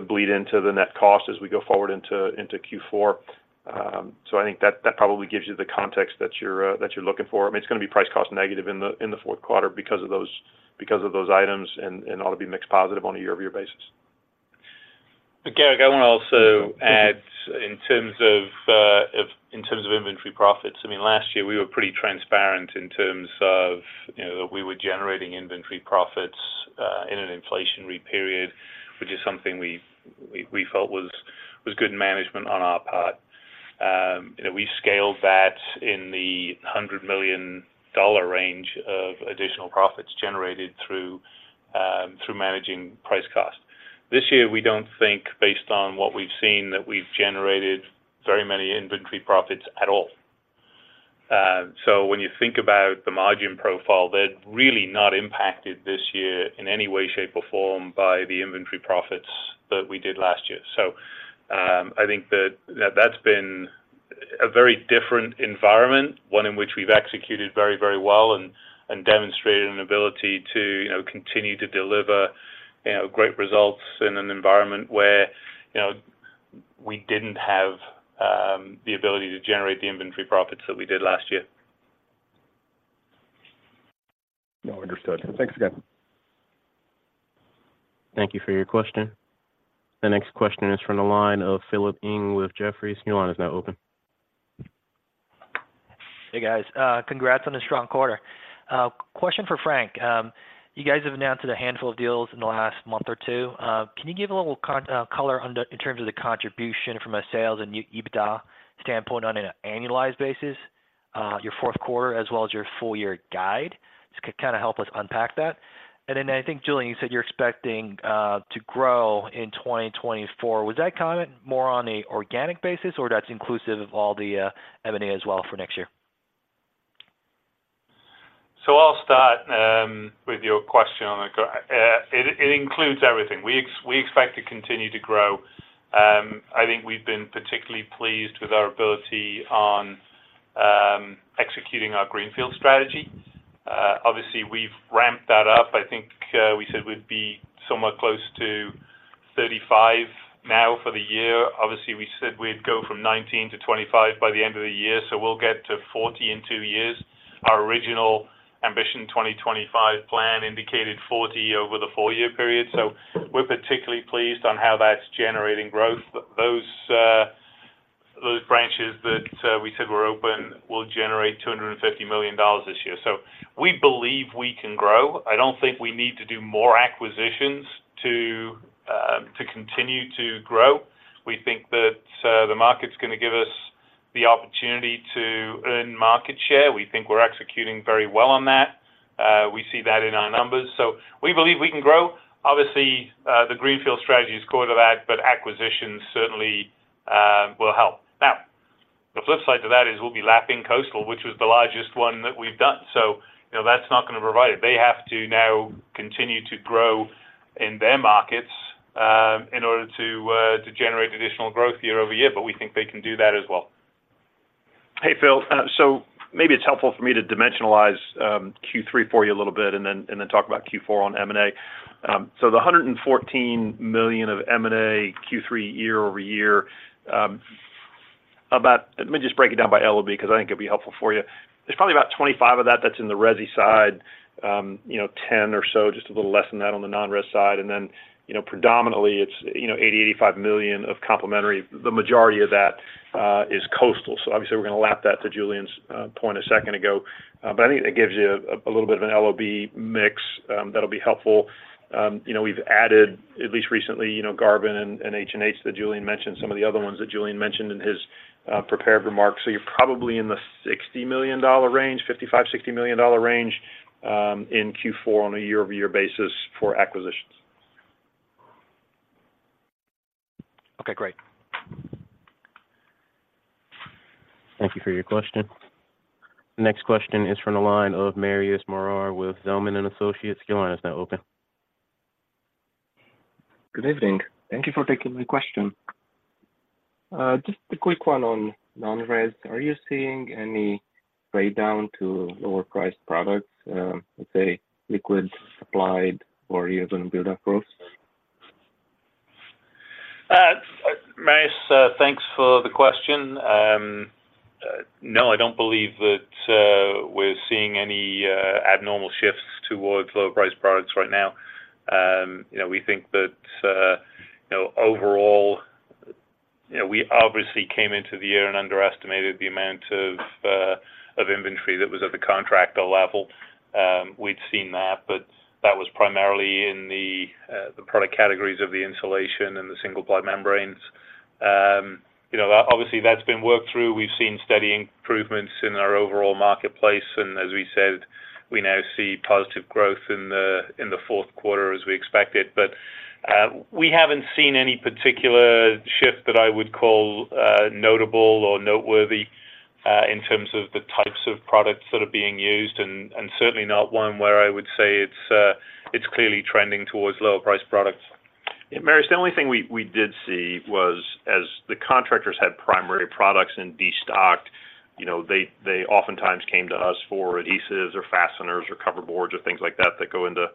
bleed into the net cost as we go forward into Q4. So I think that probably gives you the context that you're looking for. I mean, it's going to be price cost negative in the Q4 because of those items and ought to be mix positive on a year-over-year basis. But Garik, I want to also add in terms of inventory profits. I mean, last year we were pretty transparent in terms of, you know, that we were generating inventory profits in an inflationary period, which is something we felt was good management on our part. You know, we scaled that in the $100 million range of additional profits generated through managing price cost. This year, we don't think, based on what we've seen, that we've generated very many inventory profits at all. So when you think about the margin profile, they're really not impacted this year in any way, shape, or form by the inventory profits that we did last year. So, I think that that's been a very different environment, one in which we've executed very, very well and demonstrated an ability to, you know, continue to deliver, you know, great results in an environment where, you know, we didn't have the ability to generate the inventory profits that we did last year. No, understood. Thanks again. Thank you for your question. The next question is from the line of Philip Ng with Jefferies. Your line is now open. Hey, guys. Congrats on a strong quarter. Question for Frank. You guys have announced a handful of deals in the last month or two. Can you give a little color on the, in terms of the contribution from a sales and EBITDA standpoint on an annualized basis, your Q4 as well as your full-year guide? Just kinda help us unpack that. And then I think, Julian, you said you're expecting to grow in 2024. Was that comment more on a organic basis or that's inclusive of all the, M&A as well for next year? So I'll start with your question on it. It includes everything. We expect to continue to grow. I think we've been particularly pleased with our ability on executing our greenfield strategy. Obviously, we've ramped that up. I think we said we'd be somewhat close to 35 now for the year. Obviously, we said we'd go from 19 to 25 by the end of the year, so we'll get to 40 in 2 years. Our original Ambition 2025 plan indicated 40 over the 4-year period. So we're particularly pleased on how that's generating growth. Those branches that we said were open will generate $250 million this year. So we believe we can grow. I don't think we need to do more acquisitions to continue to grow. We think that the market's gonna give us the opportunity to earn market share. We think we're executing very well on that. We see that in our numbers. So we believe we can grow. Obviously, the greenfield strategy is core to that, but acquisitions certainly will help. Now, the flip side to that is we'll be lapping Coastal, which was the largest one that we've done. So, you know, that's not going to provide it. They have to now continue to grow in their markets, in order to, to generate additional growth year-over-year, but we think they can do that as well. Hey, Phil. So maybe it's helpful for me to dimensionalize Q3 for you a little bit and then talk about Q4 on M&A. So the $114 million of M&A Q3 year-over-year, about. Let me just break it down by LOB, because I think it'll be helpful for you. There's probably about 25 of that, that's in the resi side, you know, 10 or so, just a little less than that on the non-resi side. And then, you know, predominantly it's, you know, $80-$85 million of complementary. The majority of that is coastal. So obviously, we're going to lap that to Julian's point a second ago. But I think it gives you a little bit of an LOB mix that'll be helpful. You know, we've added, at least recently, you know, Garvin and H&H that Julian mentioned, some of the other ones that Julian mentioned in his prepared remarks. So you're probably in the $60 million range, $55-$60 million range, in Q4 on a year-over-year basis for acquisitions. Okay, great. Thank you for your question. The next question is from the line of Marius Morar with Zelman & Associates. Your line is now open. Good evening. Thank you for taking my question. Just a quick one on non-res. Are you seeing any trade down to lower priced products, let's say, liquids, single-ply or even built-up roofs? Marius, thanks for the question. No, I don't believe that we're seeing any abnormal shifts towards lower priced products right now. You know, we think that you know, overall, you know, we obviously came into the year and underestimated the amount of inventory that was at the contractor level. We'd seen that, but that was primarily in the product categories of the insulation and the single-ply membranes. You know, obviously, that's been worked through. We've seen steady improvements in our overall marketplace, and as we said, we now see positive growth in the Q4 as we expected. But, we haven't seen any particular shift that I would call notable or noteworthy in terms of the types of products that are being used, and certainly not one where I would say it's clearly trending towards lower priced products. Yeah, Marius, the only thing we did see was as the contractors had primary products in destocked, you know, they oftentimes came to us for adhesives or fasteners or cover boards or things like that, that go into,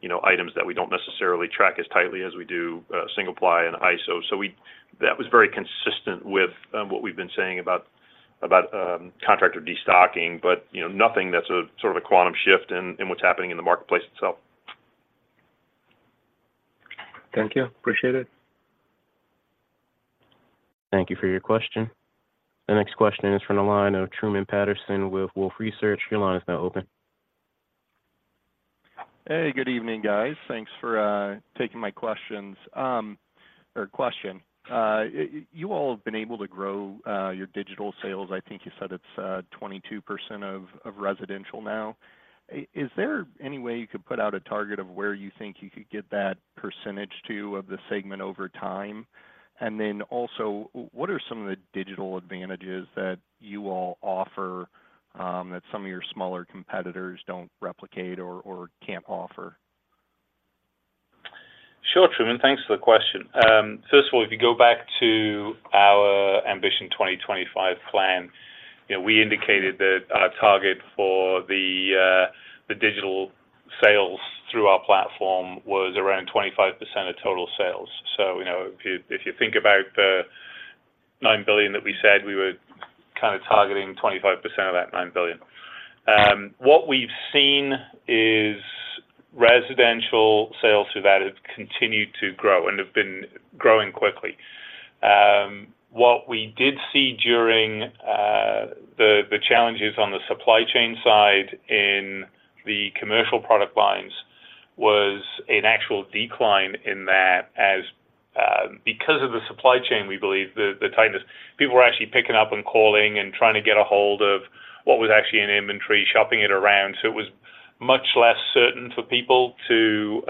you know, items that we don't necessarily track as tightly as we do single ply and iso. So that was very consistent with what we've been saying about contractor destocking, but, you know, nothing that's a sort of a quantum shift in what's happening in the marketplace itself. Thank you. Appreciate it. Thank you for your question. The next question is from the line of Truman Patterson with Wolfe Research. Your line is now open. Hey, good evening, guys. Thanks for taking my questions, or question. You all have been able to grow your digital sales. I think you said it's 22% of residential now. Is there any way you could put out a target of where you think you could get that percentage to of the segment over time? And then also, what are some of the digital advantages that you all offer that some of your smaller competitors don't replicate or can't offer? Sure, Truman, thanks for the question. First of all, if you go back to our Ambition 2025 plan, you know, we indicated that our target for the digital sales through our platform was around 25% of total sales. So, you know, if you, if you think about the $9 billion that we said, we were kind of targeting 25% of that $9 billion. What we've seen is residential sales through that have continued to grow and have been growing quickly. What we did see during the challenges on the supply chain side in the commercial product lines was an actual decline in that as because of the supply chain, we believe the tightness. People were actually picking up and calling and trying to get a hold of what was actually in inventory, shopping it around. So it was much less certain for people to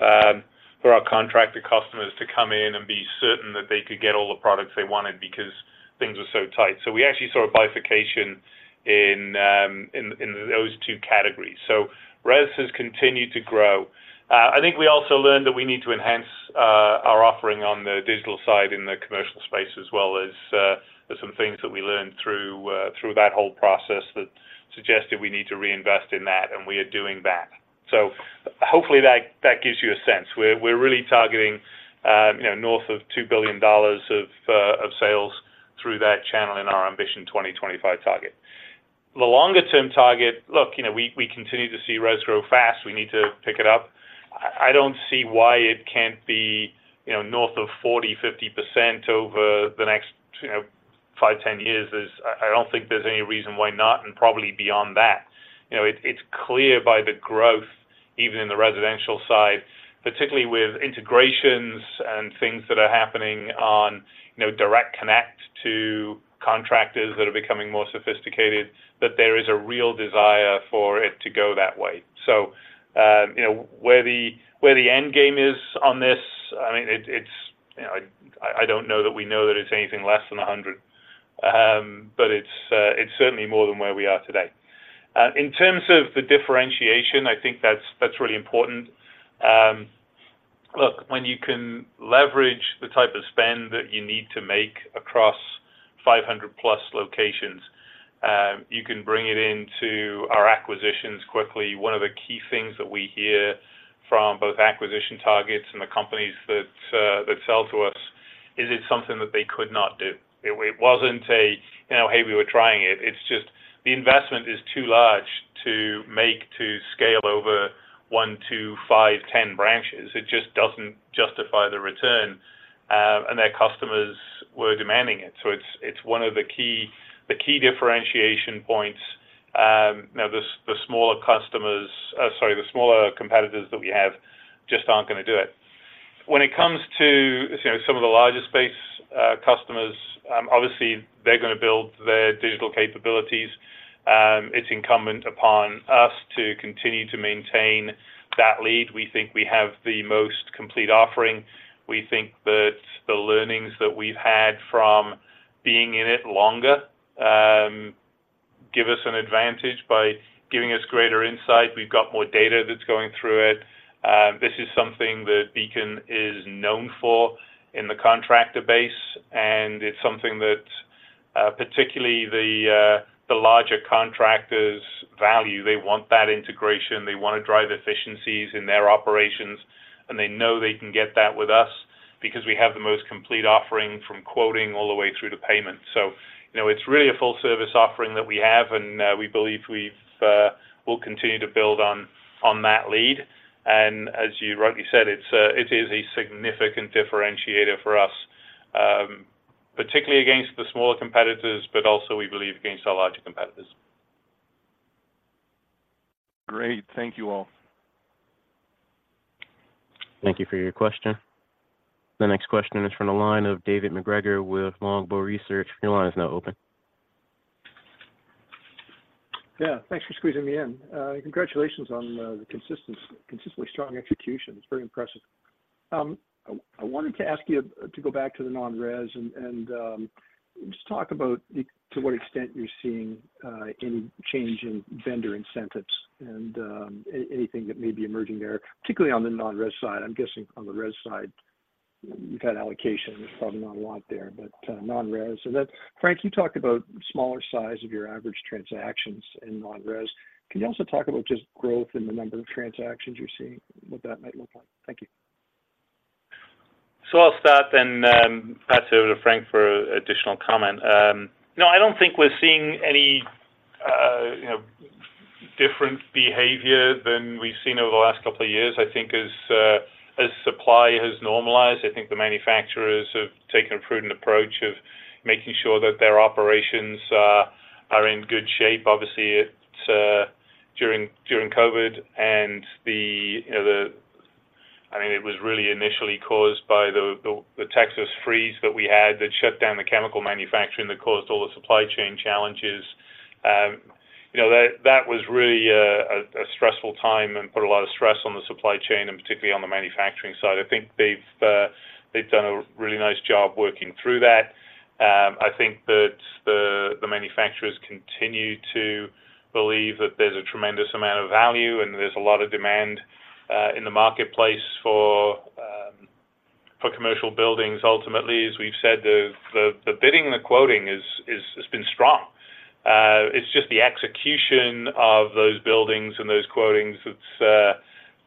for our contracted customers to come in and be certain that they could get all the products they wanted because things were so tight. So we actually saw a bifurcation in those two categories. So res has continued to grow. I think we also learned that we need to enhance our offering on the digital side in the commercial space, as well as, there's some things that we learned through that whole process that suggested we need to reinvest in that, and we are doing that. So hopefully that gives you a sense. We're really targeting, you know, north of $2 billion of sales through that channel in our Ambition 2025 target. The longer-term target, look, you know, we continue to see res grow fast. We need to pick it up. I don't see why it can't be, you know, north of 40, 50% over the next 5, 10 years. There's—I don't think there's any reason why not, and probably beyond that. You know, it's clear by the growth, even in the residential side, particularly with integrations and things that are happening on, you know, direct connect to contractors that are becoming more sophisticated, that there is a real desire for it to go that way. So, you know, where the end game is on this, I mean, it's, you know, I don't know that we know that it's anything less than 100. But it's certainly more than where we are today. In terms of the differentiation, I think that's really important. Look, when you can leverage the type of spend that you need to make across 500+ locations, you can bring it into our acquisitions quickly. One of the key things that we hear from both acquisition targets and the companies that sell to us is it's something that they could not do. It wasn't a, you know, "Hey, we were trying it." It's just the investment is too large to make to scale over 1, 2, 5, 10 branches. It just doesn't justify the return, and their customers were demanding it. So it's one of the key, the key differentiation points. Now the smaller competitors that we have just aren't gonna do it. When it comes to, you know, some of the larger space, customers, obviously they're gonna build their digital capabilities. It's incumbent upon us to continue to maintain that lead. We think we have the most complete offering. We think that the learnings that we've had from being in it longer, give us an advantage by giving us greater insight. We've got more data that's going through it. This is something that Beacon is known for in the contractor base, and it's something that, particularly the larger contractors value. They want that integration, they wanna drive efficiencies in their operations, and they know they can get that with us because we have the most complete offering, from quoting all the way through to payment. So, you know, it's really a full service offering that we have, and we believe we'll continue to build on that lead. And as you rightly said, it is a significant differentiator for us, particularly against the smaller competitors, but also, we believe, against our larger competitors. Great. Thank you all. Thank you for your question. The next question is from the line of David McGregor with Longbow Research. Your line is now open. Yeah, thanks for squeezing me in. Congratulations on the consistently strong execution. It's very impressive. I wanted to ask you to go back to the non-res and just talk about to what extent you're seeing any change in vendor incentives and anything that may be emerging there, particularly on the non-res side. I'm guessing on the res side, you've had allocation, there's probably not a lot there, but non-res. So that, Frank, you talked about smaller size of your average transactions in non-res. Can you also talk about just growth in the number of transactions you're seeing, what that might look like? Thank you. So I'll start then, pass it over to Frank for additional comment. No, I don't think we're seeing any, you know, different behavior than we've seen over the last couple of years. I think as supply has normalized, I think the manufacturers have taken a prudent approach of making sure that their operations are in good shape. Obviously, it's during COVID and the, you know, I mean, it was really initially caused by the Texas freeze that we had that shut down the chemical manufacturing, that caused all the supply chain challenges. You know, that was really a stressful time and put a lot of stress on the supply chain and particularly on the manufacturing side. I think they've done a really nice job working through that. I think that the manufacturers continue to believe that there's a tremendous amount of value and there's a lot of demand in the marketplace for commercial buildings. Ultimately, as we've said, the bidding and the quoting has been strong. It's just the execution of those buildings and those quotings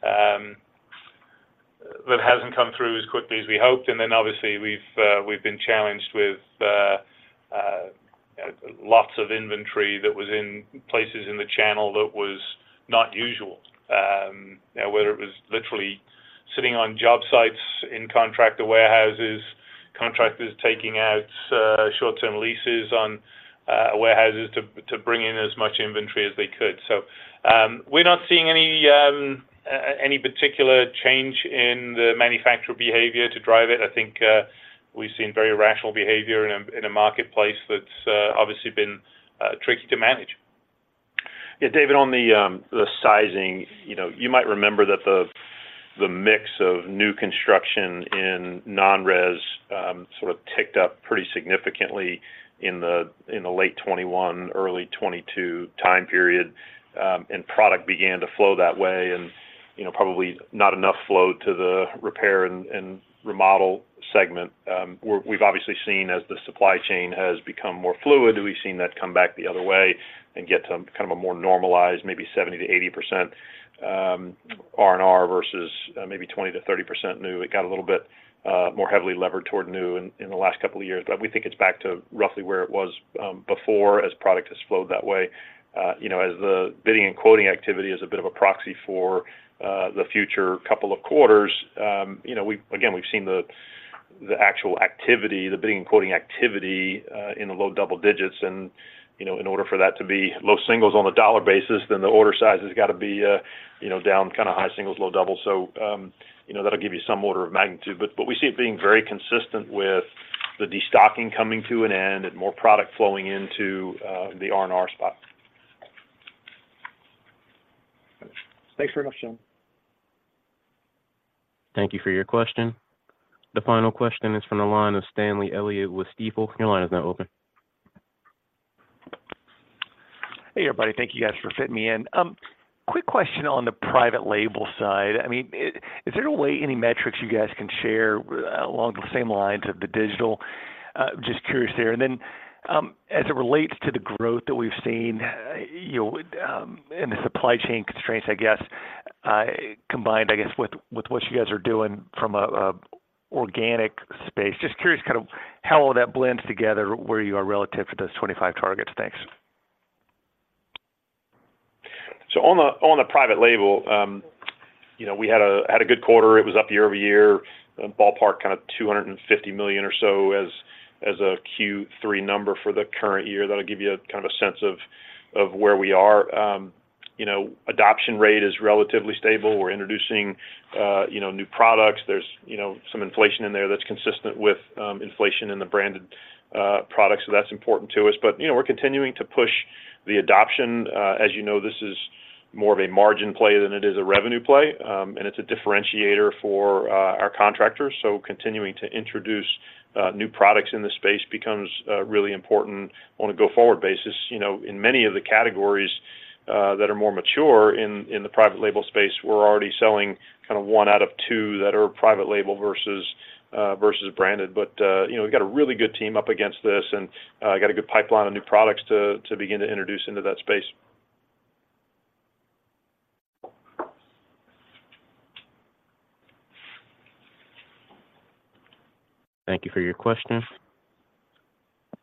that hasn't come through as quickly as we hoped. And then obviously, we've been challenged with lots of inventory that was in places in the channel that was not usual. You know, whether it was literally sitting on job sites, in contractor warehouses, contractors taking out short-term leases on warehouses to bring in as much inventory as they could. So, we're not seeing any particular change in the manufacturer behavior to drive it. I think, we've seen very rational behavior in a marketplace that's obviously been tricky to manage. Yeah, David, on the sizing, you know, you might remember that the mix of new construction in non-res sort of ticked up pretty significantly in the late 2021, early 2022 time period, and product began to flow that way and, you know, probably not enough flow to the repair and remodel segment. We've obviously seen as the supply chain has become more fluid, we've seen that come back the other way and get to kind of a more normalized, maybe 70%-80% R&R versus maybe 20%-30% new. It got a little bit more heavily levered toward new in the last couple of years, but we think it's back to roughly where it was before as product has flowed that way. You know, as the bidding and quoting activity is a bit of a proxy for the future couple of quarters, you know, we've again, we've seen the actual activity, the bidding and quoting activity in the low double digits and, you know, in order for that to be low singles on a dollar basis, then the order size has got to be, you know, down kind of high singles, low double. So, you know, that'll give you some order of magnitude. But we see it being very consistent with the destocking coming to an end and more product flowing into the R&R spot. Thanks very much, gentlemen. Thank you for your question. The final question is from the line of Stanley Elliott with Stifel. Your line is now open. Hey, everybody. Thank you guys for fitting me in. Quick question on the private label side. I mean, is there a way, any metrics you guys can share along the same lines of the digital? Just curious there. And then, as it relates to the growth that we've seen, you know, and the supply chain constraints, I guess, combined, I guess, with what you guys are doing from a organic space, just curious kind of how all that blends together, where you are relative to those 25 targets. Thanks. So on the private label, you know, we had a good quarter. It was up year-over-year, ballpark kind of $250 million or so as a Q3 number for the current year. That'll give you a kind of a sense of where we are. You know, adoption rate is relatively stable. We're introducing, you know, new products. There's, you know, some inflation in there that's consistent with inflation in the branded products, so that's important to us. But, you know, we're continuing to push the adoption. As you know, this is more of a margin play than it is a revenue play, and it's a differentiator for our contractors. So continuing to introduce new products in this space becomes really important on a go-forward basis. You know, in many of the categories that are more mature in the private label space, we're already selling kind of one out of two that are private label versus branded. But you know, we've got a really good team up against this, and we've got a good pipeline of new products to begin to introduce into that space. Thank you for your question.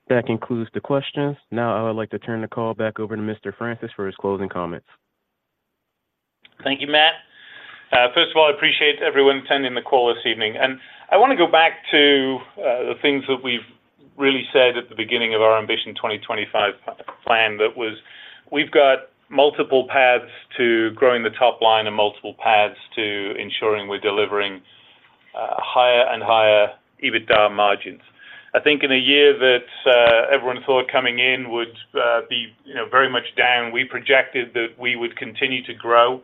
That concludes the questions. Now, I would like to turn the call back over to Mr. Francis for his closing comments. Thank you, Matt. First of all, I appreciate everyone attending the call this evening. I want to go back to the things that we've really said at the beginning of our Ambition 2025 plan. That was, we've got multiple paths to growing the top line and multiple paths to ensuring we're delivering higher and higher EBITDA margins. I think in a year that everyone thought coming in would be, you know, very much down, we projected that we would continue to grow,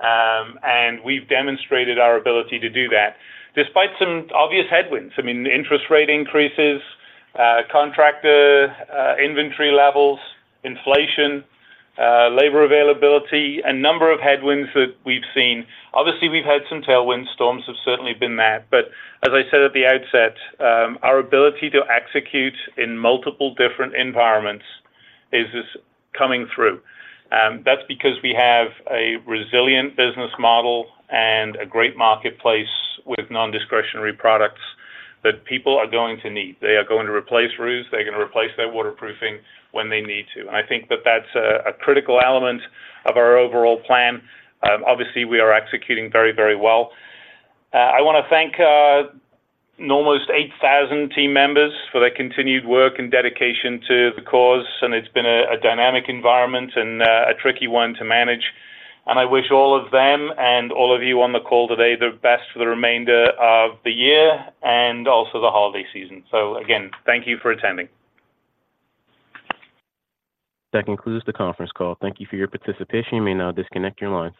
and we've demonstrated our ability to do that despite some obvious headwinds. I mean, interest rate increases, contractor inventory levels, inflation, labor availability, a number of headwinds that we've seen. Obviously, we've had some tailwinds. Storms have certainly been met. But as I said at the outset, our ability to execute in multiple different environments is just coming through. And that's because we have a resilient business model and a great marketplace with nondiscretionary products that people are going to need. They are going to replace roofs, they're going to replace their waterproofing when they need to. And I think that's a critical element of our overall plan. Obviously, we are executing very, very well. I want to thank almost 8,000 team members for their continued work and dedication to the cause, and it's been a dynamic environment and a tricky one to manage. And I wish all of them and all of you on the call today the best for the remainder of the year and also the holiday season. So again, thank you for attending. That concludes the conference call. Thank you for your participation. You may now disconnect your line.